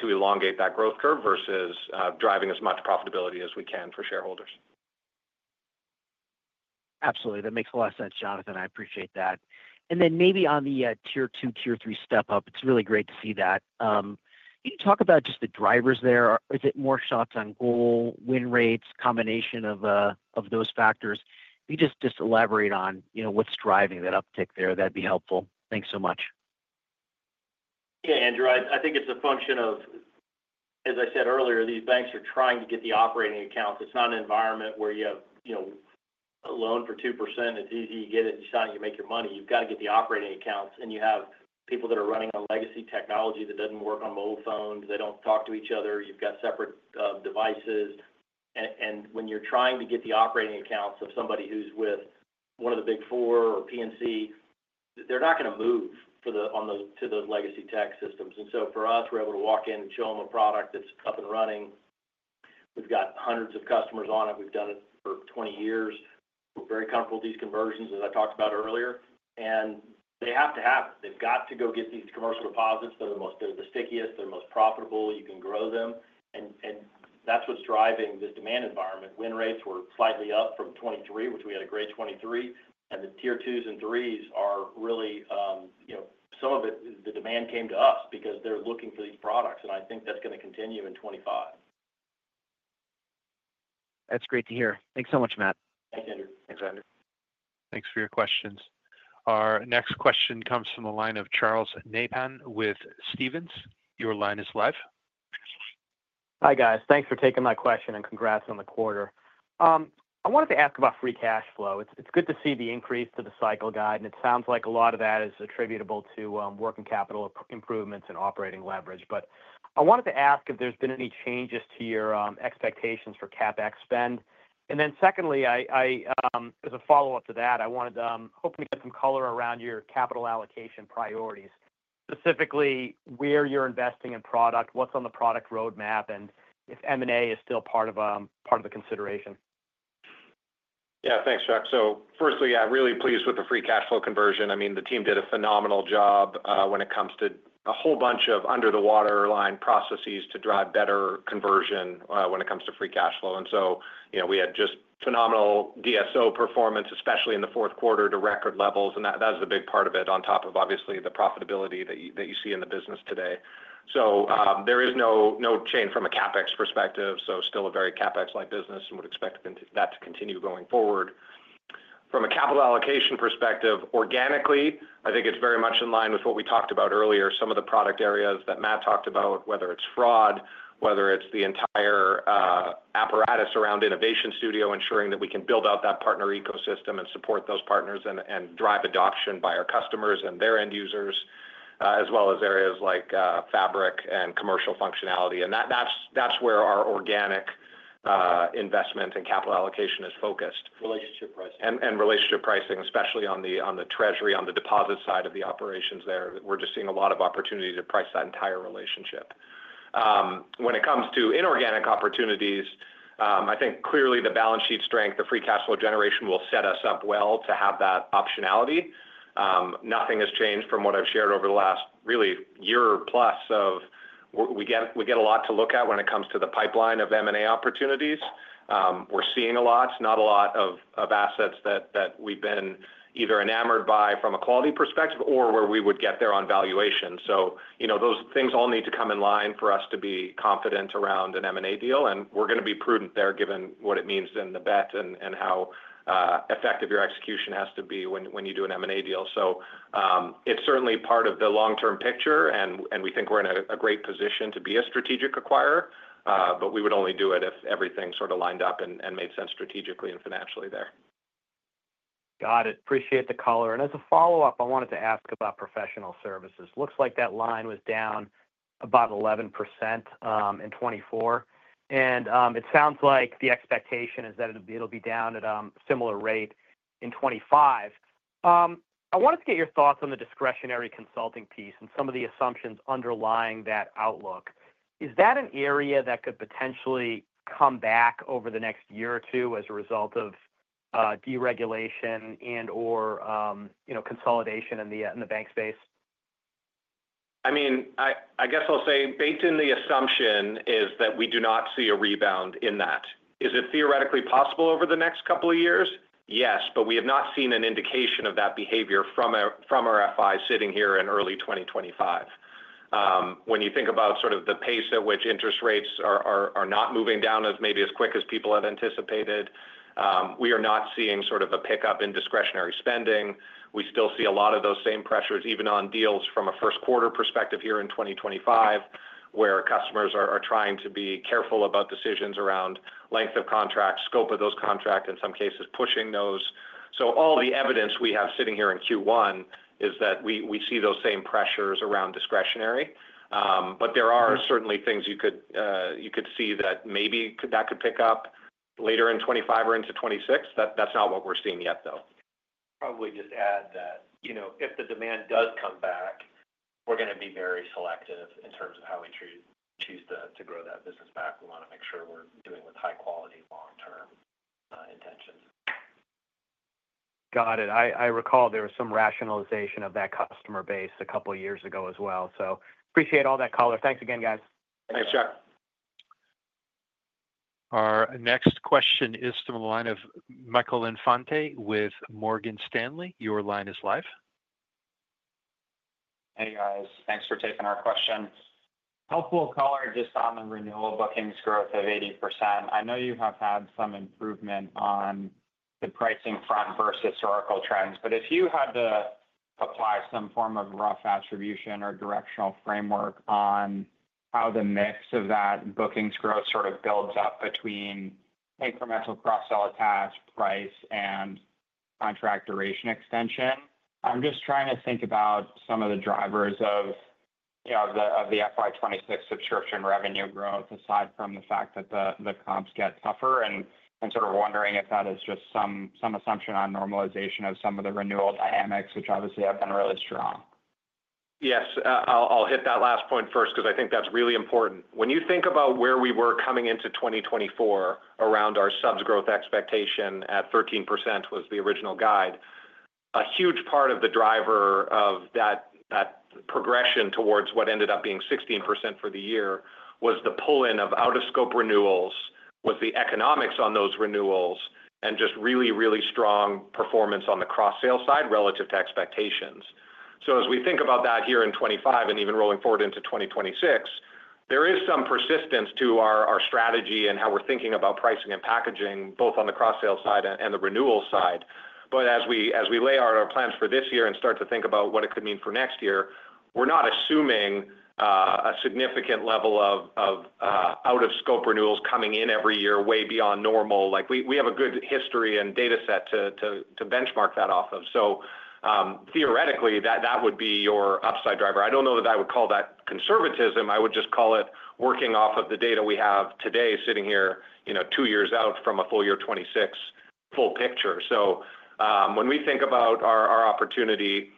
to elongate that growth curve versus driving as much profitability as we can for shareholders. Absolutely. That makes a lot of sense, Jonathan. I appreciate that. And then maybe on the tier two, tier three step up, it's really great to see that. Can you talk about just the drivers there? Is it more shots on goal, win rates, combination of those factors? If you could just elaborate on what's driving that uptick there, that'd be helpful. Thanks so much. Yeah, Andrew. I think it's a function of, as I said earlier, these banks are trying to get the operating accounts. It's not an environment where you have a loan for 2%. It's easy to get it. You sign it. You make your money. You've got to get the operating accounts, and you have people that are running on legacy technology that doesn't work on mobile phones. They don't talk to each other. You've got separate devices. And when you're trying to get the operating accounts of somebody who's with one of the big four or PNC, they're not going to move to those legacy tech systems. And so for us, we're able to walk in and show them a product that's up and running. We've got hundreds of customers on it. We've done it for 20 years. We're very comfortable with these conversions, as I talked about earlier. And they have to have it. They've got to go get these commercial deposits that are the stickiest. They're most profitable. You can grow them, and that's what's driving this demand environment. Win Rates were slightly up from 2023, which we had a great 2023. And the Tier 2s and 3s are really some of it, the demand came to us because they're looking for these products. And I think that's going to continue in 2025. That's great to hear. Thanks so much, Matt. Thanks, Andrew. Thanks, Andrew. Thanks for your questions. Our next question comes from the line of Charles Nabhan with Stephens. Your line is live. Hi, guys. Thanks for taking my question and congrats on the quarter. I wanted to ask about free cash flow. It's good to see the increase to the cycle guide. And it sounds like a lot of that is attributable to working capital improvements and operating leverage. But I wanted to ask if there's been any changes to your expectations for CapEx spend. And then secondly, as a follow-up to that, I'm hoping to get some color around your capital allocation priorities, specifically where you're investing in product, what's on the product roadmap, and if M&A is still part of the consideration. Yeah. Thanks, Charles. So firstly, I'm really pleased with the free cash flow conversion. I mean, the team did a phenomenal job when it comes to a whole bunch of under-the-waterline processes to drive better conversion when it comes to free cash flow and so we had just phenomenal DSO performance, especially in the Q4, to record levels and that is a big part of it on top of, obviously, the profitability that you see in the business today. So there is no change from a CapEx perspective, so still a very CapEx-like business and would expect that to continue going forward. From a capital allocation perspective, organically, I think it's very much in line with what we talked about earlier. Some of the product areas that Matt talked about, whether it's fraud, whether it's the entire apparatus around Innovation Studio, ensuring that we can build out that partner ecosystem and support those partners and drive adoption by our customers and their end users, as well as areas like Fabric and commercial functionality. And that's where our organic investment and capital allocation is focused. Relationship Pricing. And Relationship Pricing, especially on the treasury, on the deposit side of the operations there. We're just seeing a lot of opportunity to price that entire relationship. When it comes to inorganic opportunities, I think clearly the balance sheet strength, the free cash flow generation will set us up well to have that optionality. Nothing has changed from what I've shared over the last really year plus of we get a lot to look at when it comes to the pipeline of M&A opportunities. We're seeing a lot. It's not a lot of assets that we've been either enamored by from a quality perspective or where we would get there on valuation. So those things all need to come in line for us to be confident around an M&A deal. And we're going to be prudent there given what it means in the bet and how effective your execution has to be when you do an M&A deal. So it's certainly part of the long-term picture, and we think we're in a great position to be a strategic acquirer, but we would only do it if everything sort of lined up and made sense strategically and financially there. Got it. Appreciate the color. As a follow-up, I wanted to ask about professional services. Looks like that line was down about 11% in 2024. And it sounds like the expectation is that it'll be down at a similar rate in 2025. I wanted to get your thoughts on the discretionary consulting piece and some of the assumptions underlying that outlook. Is that an area that could potentially come back over the next year or two as a result of deregulation and/or consolidation in the bank space? I mean, I guess I'll say baked in the assumption is that we do not see a rebound in that. Is it theoretically possible over the next couple of years? Yes, but we have not seen an indication of that behavior from our FI sitting here in early 2025. When you think about sort of the pace at which interest rates are not moving down as maybe as quick as people had anticipated, we are not seeing sort of a pickup in discretionary spending. We still see a lot of those same pressures, even on deals from a first-quarter perspective here in 2025, where customers are trying to be careful about decisions around length of contract, scope of those contracts, in some cases pushing those. So all the evidence we have sitting here in Q1 is that we see those same pressures around discretionary. But there are certainly things you could see that maybe that could pick up later in 2025 or into 2026. That's not what we're seeing yet, though. Probably just add that if the demand does come back, we're going to be very selective in terms of how we choose to grow that business back. We want to make sure we're doing with high-quality long-term intentions. Got it. I recall there was some rationalization of that customer BaaS a couple of years ago as well so. appreciate all that color. Thanks again, guys. Thanks, Chuck. Our next question is from the line of Michael Infante with Morgan Stanley. Your line is live. Hey, guys. Thanks for taking our question. Helpful color just on the renewal bookings growth of 80%. I know you have had some improvement on the pricing front versus historical trends, but if you had to apply some form of rough attribution or directional framework on how the mix of that bookings growth sort of builds up between incremental cross-sell attached price and contract duration extension, I'm just trying to think about some of the drivers of the FY26 subscription revenue growth, aside from the fact that the comps get tougher, and sort of wondering if that is just some assumption on normalization of some of the renewal dynamics, which obviously have been really strong. Yes. I'll hit that last point first because I think that's really important. When you think about where we were coming into 2024, around our subs growth expectation at 13% was the original guide, a huge part of the driver of that progression towards what ended up being 16% for the year was the pull-in of out-of-scope renewals, was the economics on those renewals, and just really, really strong performance on the cross-sell side relative to expectations. So as we think about that here in 2025 and even rolling forward into 2026, there is some persistence to our strategy and how we're thinking about pricing and packaging, both on the cross-sell side and the renewal side. But as we lay out our plans for this year and start to think about what it could mean for next year, we're not assuming a significant level of out-of-scope renewals coming in every year way beyond normal. We have a good history and data set to benchmark that off of. So theoretically, that would be your upside driver. I don't know that I would call that conservatism. I would just call it working off of the data we have today sitting here two years out from a full year 2026 full picture. So when we think about our opportunity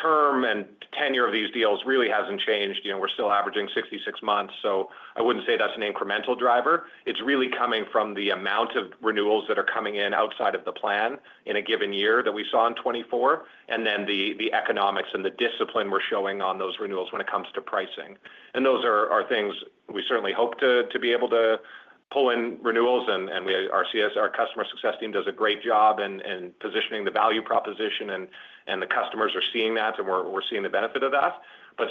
term and tenure of these deals really hasn't changed we're still averaging 66 months. So I wouldn't say that's an incremental driver. It's really coming from the amount of renewals that are coming in outside of the plan in a given year that we saw in 2024, and then the economics and the discipline we're showing on those renewals when it comes to pricing. And those are things we certainly hope to be able to pull in renewals. Our customer success team does a great job in positioning the value proposition, and the customers are seeing that, and we're seeing the benefit of that.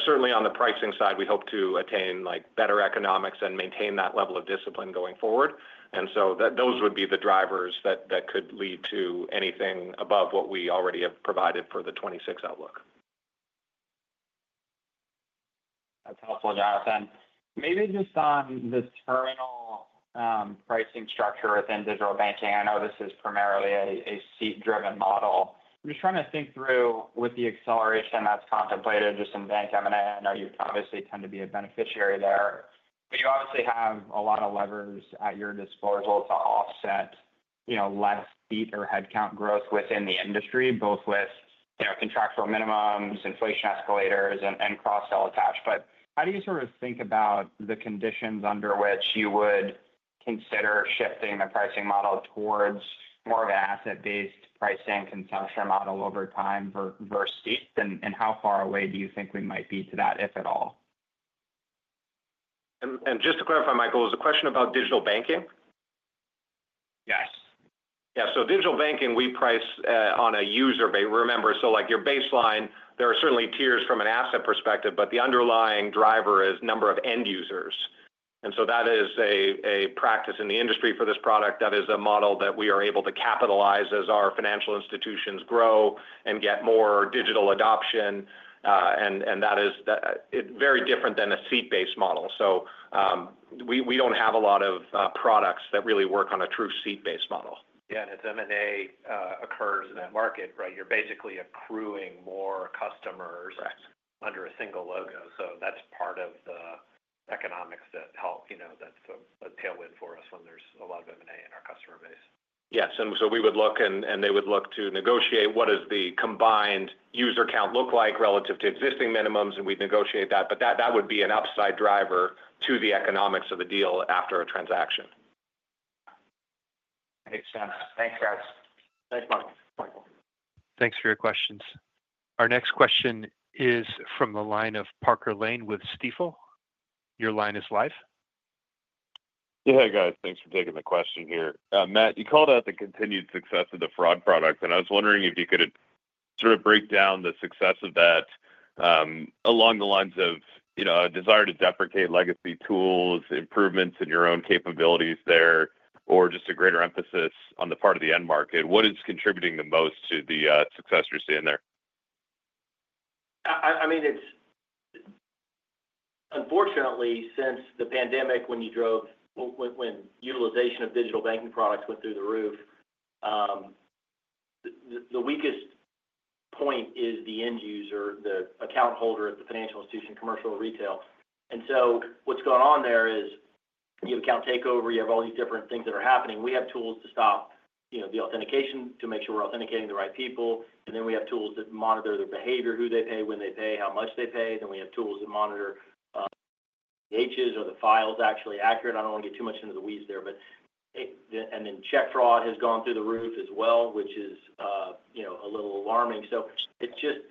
Certainly, on the pricing side, we hope to attain better economics and maintain that level of discipline going forward. Those would be the drivers that could lead to anything above what we already have provided for the 2026 outlook. That's helpful, Jonathan. Maybe just on the terminal pricing structure within digital banking. I know this is primarily a seat-driven model. I'm just trying to think through with the acceleration that's contemplated just in bank M&A. I know you obviously tend to be a beneficiary there, but you obviously have a lot of levers at your disposal to offset less seat or headcount growth within the industry, both with contractual minimums, inflation escalators, and cross-sell attached. But how do you sort of think about the conditions under which you would consider shifting the pricing model towards more of an asset-based pricing consumption model over time versus seat? And how far away do you think we might be to that, if at all? And just to clarify, Michael, was the question about digital banking? Yes. Yeah. So digital banking, we price on a user BaaS. Remember, so your baseline, there are certainly tiers from an asset perspective, but the underlying driver is number of end users. And so that is a practice in the industry for this product. That is a model that we are able to capitalize as our financial institutions grow and get more digital adoption. And that is very different than a seat-based model. So we don't have a lot of products that really work on a true seat-based model. Yeah. And as M&A occurs in that market, right, you're basically accruing more customers under a single logo. So that's part of the economics that help that's a tailwind for us when there's a lot of M&A in our customer BaaS. Yes. And so we would look, and they would look to negotiate what does the combined user count look like relative to existing minimums, and we'd negotiate that. But that would be an upside driver to the economics of the deal after a transaction. Makes sense. Thanks, guys. Thanks, Michael. Thanks for your questions. Our next question is from the line of Parker Lane with Stifel. Your line is live. Yeah, guys. Thanks for taking the question here. Matt, you called out the continued success of the fraud product, and I was wondering if you could sort of break down the success of that along the lines of a desire to deprecate legacy tools, improvements in your own capabilities there, or just a greater emphasis on the part of the end market. What is contributing the most to the success you're seeing there? I mean, unfortunately, since the pandemic, when utilization of digital banking products went through the roof, the weakest point is the end user, the account holder at the financial institution, commercial, retail. And so what's going on there is you have account takeover. You have all these different things that are happening. We have tools to stop the authentication to make sure we're authenticating the right people. And then we have tools that monitor their behavior, who they pay, when they pay, how much they pay. Then we have tools that monitor the ACHs or the files actually accurate. I don't want to get too much into the weeds there. And then check fraud has gone through the roof as well, which is a little alarming. So it's just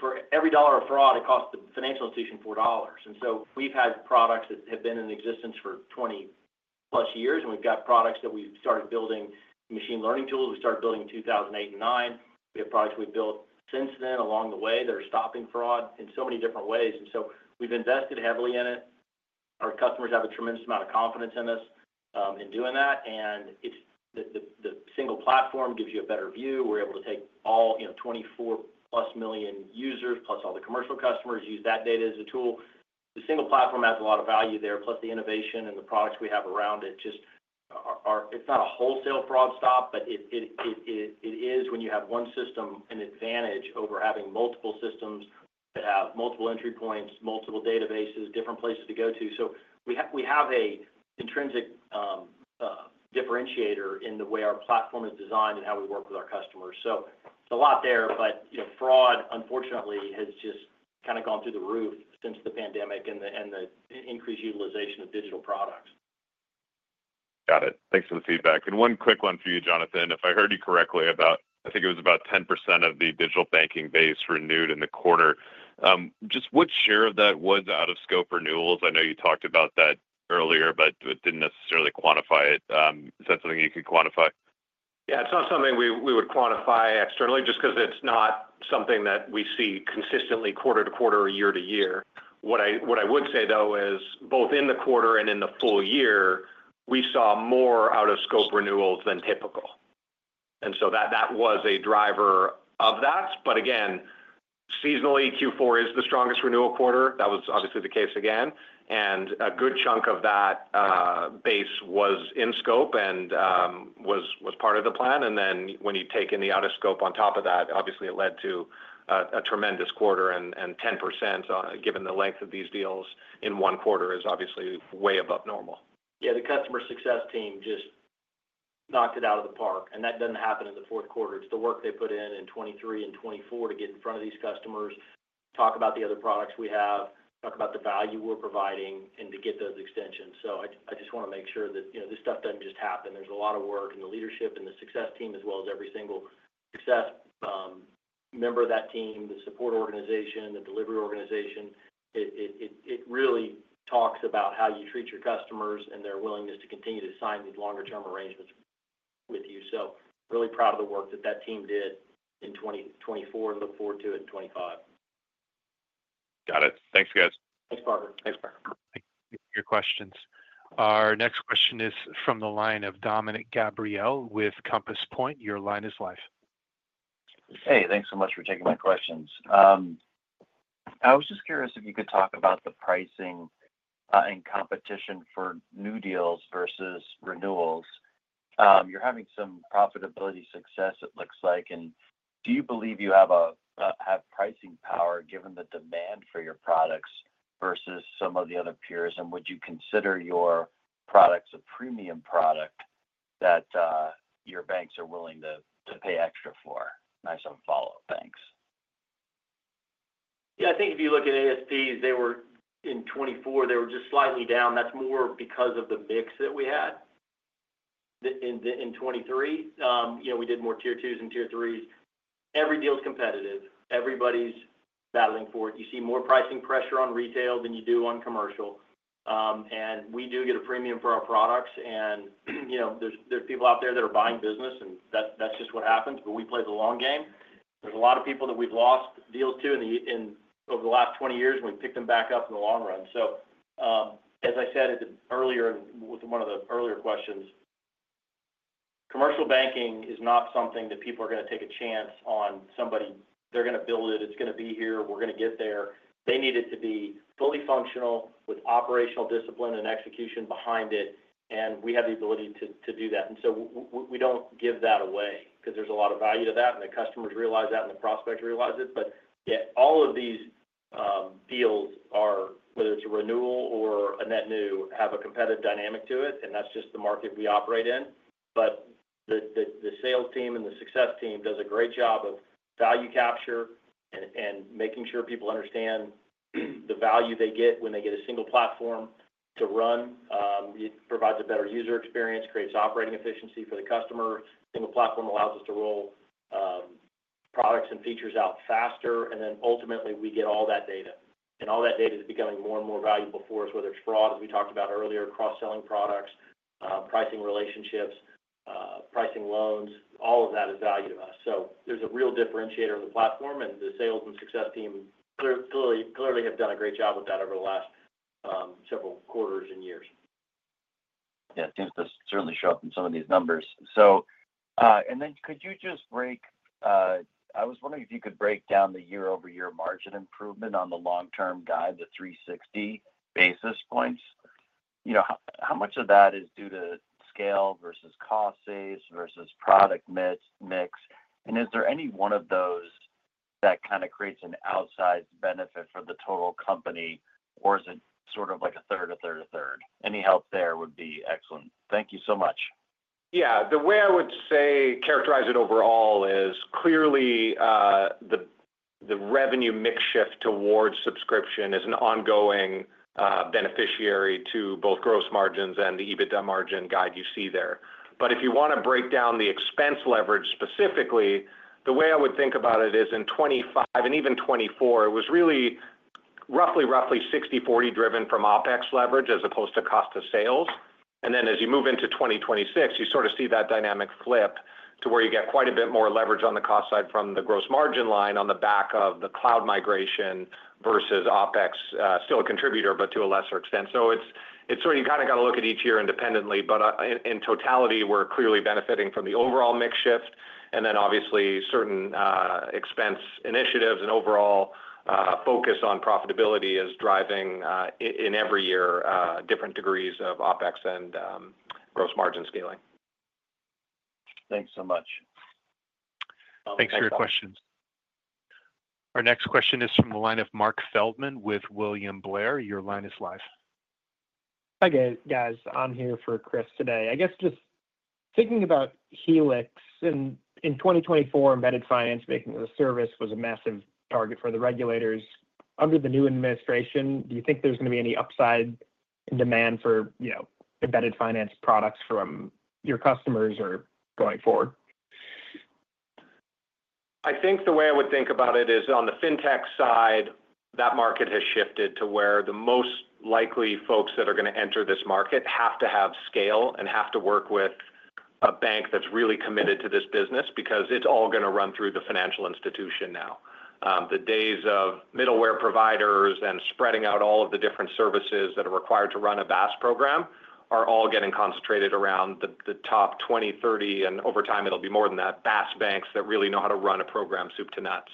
for every dollar of fraud, it costs the financial institution $4. And so we've had products that have been in existence for 20-plus years. And we've got products that we've started building machine learning tools. We started building in 2008 and 2009. We have products we've built since then along the way that are stopping fraud in so many different ways. And so we've invested heavily in it. Our customers have a tremendous amount of confidence in us in doing that. And the single platform gives you a better view. We're able to take all 24-plus million users, plus all the commercial customers, use that data as a tool. The single platform has a lot of value there, plus the innovation and the products we have around it. It's not a wholesale fraud stop, but it is when you have one system an advantage over having multiple systems that have multiple entry points, multiple databases different places to go to. So we have an intrinsic differentiator in the way our platform is designed and how we work with our customers. So it's a lot there, but fraud, unfortunately, has just kind of gone through the roof since the pandemic and the increased utilization of digital products. Got it. Thanks for the feedback. And one quick one for you, Jonathan. If I heard you correctly, I think it was about 10% of the digital banking base renewed in the quarter. Just what share of that was out-of-scope renewals? I know you talked about that earlier, but it didn't necessarily quantify it. Is that something you could quantify? Yeah. It's not something we would quantify externally just because it's not something that we see consistently quarter to quarter or year to year. What I would say, though, is both in the quarter and in the full year, we saw more out-of-scope renewals than typical, and so that was a driver of that, but again, seasonally, Q4 is the strongest renewal quarter, that was obviously the case again, and a good chunk of that BaaS was in scope and was part of the plan. And then when you take in the out-of-scope on top of that, obviously, it led to a tremendous quarter. And 10%, given the length of these deals in one quarter, is obviously way above normal. Yeah. The customer success team just knocked it out of the park. And that doesn't happen in the Q4. It's the work they put in in 2023 and 2024 to get in front of these customers, talk about the other products we have, talk about the value we're providing, and to get those extensions. So I just want to make sure that this stuff doesn't just happen. There's a lot of work in the leadership and the success team, as well as every single success member of that team, the support organization, the delivery organization. It really talks about how you treat your customers and their willingness to continue to sign these longer-term arrangements with you. So really proud of the work that team did in 2024 and look forward to it in 2025. Got it. Thanks, guys. Thanks, Park. Our next question is from the line of Dominic Gabriele with Compass Point. Your line is live. Hey, thanks so much for taking my questions. I was just curious if you could talk about the pricing and competition for new deals versus renewals. You're having some profitability success, it looks like. And do you believe you have pricing power given the demand for your products versus some of the other peers? And would you consider your products a premium product that your banks are willing to pay extra for? Nice on follow-up, thanks. Yeah. I think if you look at ASPs, in 2024, they were just slightly down. That's more because of the mix that we had in 2023. We did more tier twos and tier threes. Every deal is competitive. Everybody's battling for it. You see more pricing pressure on retail than you do on commercial. And we do get a premium for our products. And there's people out there that are buying business, and that's just what happens. But we play the long game. There's a lot of people that we've lost deals to over the last 20 years when we pick them back up in the long run. So as I said earlier with one of the earlier questions, commercial banking is not something that people are going to take a chance on somebody. They're going to build it. It's going to be here. We're going to get there. They need it to be fully functional with operational discipline and execution behind it. And we have the ability to do that. And so we don't give that away because there's a lot of value to that, and the customers realize that, and the prospects realize it. But all of these deals, whether it's a renewal or a net new, have a competitive dynamic to it, and that's just the market we operate in. But the sales team and the success team does a great job of value capture and making sure people understand the value they get when they get a single platform to run. It provides a better user experience, creates operating efficiency for the customer. Single platform allows us to roll products and features out faster. And then ultimately, we get all that data. All that data is becoming more and more valuable for us, whether it's fraud, as we talked about earlier, cross-selling products, pricing relationships, pricing loans. All of that is valued to us. So there's a real differentiator of the platform, and the sales and success team clearly have done a great job with that over the last several quarters and years. Yeah. It seems to certainly show up in some of these numbers. So. Then I was wondering if you could break down the year-over-year margin improvement on the long-term guide, the 360 basis points. How much of that is due to scale versus cost saves versus product mix? And is there any one of those that kind of creates an outsized benefit for the total company, or is it sort of like a third, a third, a third? Any help there would be excellent. Thank you so much. Yeah. The way I would characterize it overall is clearly the revenue mix shift towards subscription is an ongoing beneficiary to both gross margins and the EBITDA margin guide you see there, but if you want to break down the expense leverage specifically, the way I would think about it is in 2025 and even 2024, it was really roughly 60/40 driven from OpEx leverage as opposed to cost of sales, and then as you move into 2026, you sort of see that dynamic flip. To where you get quite a bit more leverage on the cost side from the gross margin line on the back of the cloud migration versus OpEx, still a contributor, but to a lesser extent, so you kind of got to look at each year independently. But in totality, we're clearly benefiting from the overall mix shift. And then obviously, certain expense initiatives and overall focus on profitability is driving in every year different degrees of OpEx and gross margin scaling. Thanks so much. Thanks for your questions. Our next question is from the line of Marc Feldman with William Blair. Your line is live. Hi, guys. I'm here for Chris today. I guess just thinking about Helix, in 2024, embedded finance as a service was a massive target for the regulators under the new administration. Do you think there's going to be any upside in demand for embedded finance products from your customers going forward? I think the way I would think about it is on the fintech side, that market has shifted to where the most likely folks that are going to enter this market have to have scale and have to work with a bank that's really committed to this business because it's all going to run through the financial institution now. The days of middleware providers and spreading out all of the different services that are required to run a BaaS program are all getting concentrated around the top 20, 30, and over time, it'll be more than that, BaaS banks that really know how to run a program soup to nuts.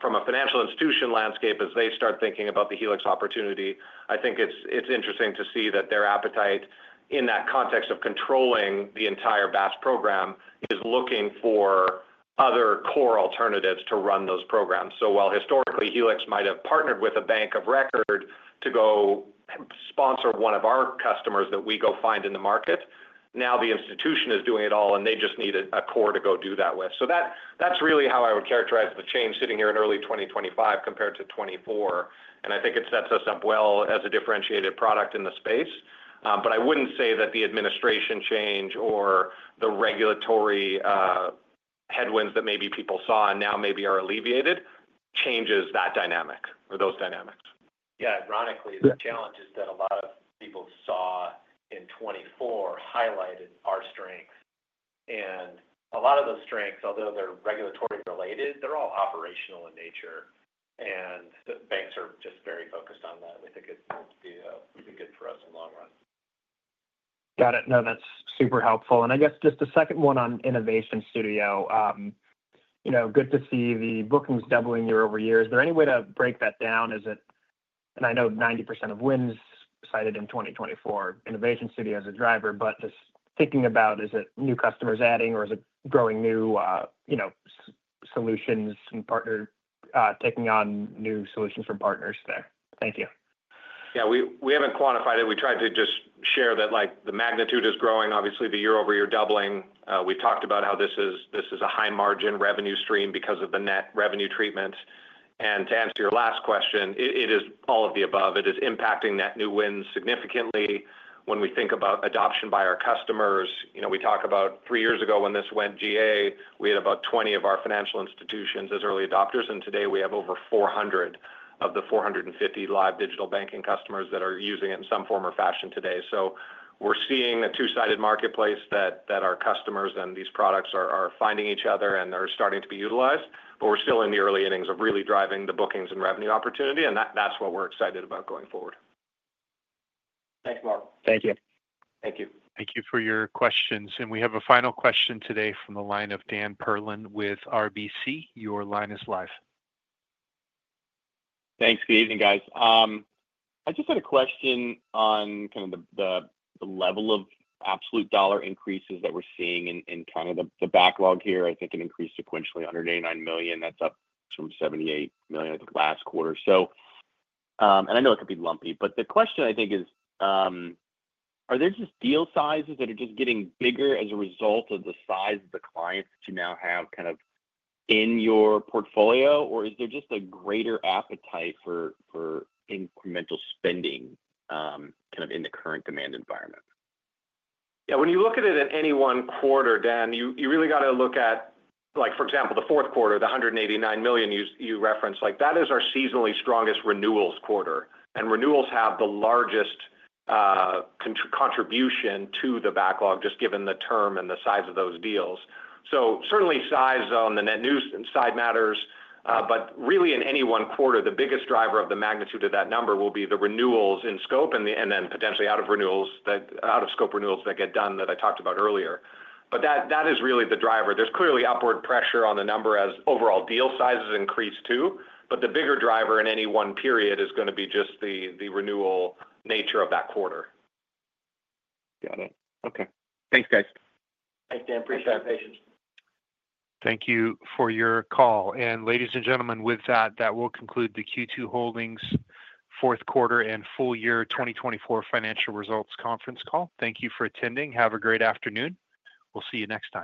From a financial institution landscape, as they start thinking about the Helix opportunity, I think it's interesting to see that their appetite in that context of controlling the entire BaaS program is looking for other core alternatives to run those programs. So while historically, Helix might have partnered with a bank of record to go sponsor one of our customers that we go find in the market, now the institution is doing it all, and they just need a core to go do that with. So that's really how I would characterize the change sitting here in early 2025 compared to 2024. And I think it sets us up well as a differentiated product in the space. But I wouldn't say that the administration change or the regulatory headwinds that maybe people saw and now maybe are alleviated changes that dynamic or those dynamics. Yeah. Ironically, the challenges that a lot of people saw in 2024 highlighted our strength. And a lot of those strengths, although they're regulatory related, they're all operational in nature. And the banks are just very focused on that. We think it would be good for us in the long run. Got it. No, that's super helpful. And I guess just a second one on Innovation Studio. Good to see the bookings doubling year over year. Is there any way to break that down? And I know 90% of wins cited in 2024. Innovation Studio is a driver, but just thinking about, is it new customers adding, or is it growing new solutions and partner taking on new solutions from partners there? Thank you. Yeah. We haven't quantified it. We tried to just share that the magnitude is growing. Obviously, the year-over-year doubling. We talked about how this is a high-margin revenue stream because of the net revenue treatment. And to answer your last question, it is all of the above. It is impacting net new wins significantly. When we think about adoption by our customers, we talk about three years ago when this went GA, we had about 20 of our financial institutions as early adopters. And today, we have over 400 of the 450 live digital banking customers that are using it in some form or fashion today. So we're seeing a two-sided marketplace that our customers and these products are finding each other, and they're starting to be utilized. But we're still in the early innings of really driving the bookings and revenue opportunity. And that's what we're excited about going forward. Thanks, Marc. Thank you. Thank you. Thank you for your questions. And we have a final question today from the line of Dan Perlin with RBC. Your line is live. Thanks. Good evening, guys. I just had a question on kind of the level of absolute dollar increases that we're seeing in kind of the backlog here I think it increased sequentially $189 million that's up from $78 million, I think, last quarter. And I know it could be lumpy, but the question I think is, are there just deal sizes that are just getting bigger as a result of the size of the clients that you now have kind of in your portfolio, or is there just a greater appetite for incremental spending kind of in the current demand environment? Yeah. When you look at it at any one quarter, Dan, you really got to look at, for example, the Q4, the $189 million you referenced. That is our seasonally strongest renewals quarter. And renewals have the largest contribution to the backlog, just given the term and the size of those deals. So certainly, size on the net new side matters. But really, in any one quarter, the biggest driver of the magnitude of that number will be the renewals in scope and then potentially out of scope renewals that get done that I talked about earlier. But that is really the driver. There's clearly upward pressure on the number as overall deal sizes increase too. But the bigger driver in any one period is going to be just the renewal nature of that quarter. Thanks, guys. Thanks, Dan. Appreciate your patience. Thank you for your call. And ladies and gentlemen, with that, that will conclude the Q2 Holdings Q4 and full year 2024 Financial Results Conference Call. Thank you for attending. Have a great afternoon. We'll see you next time.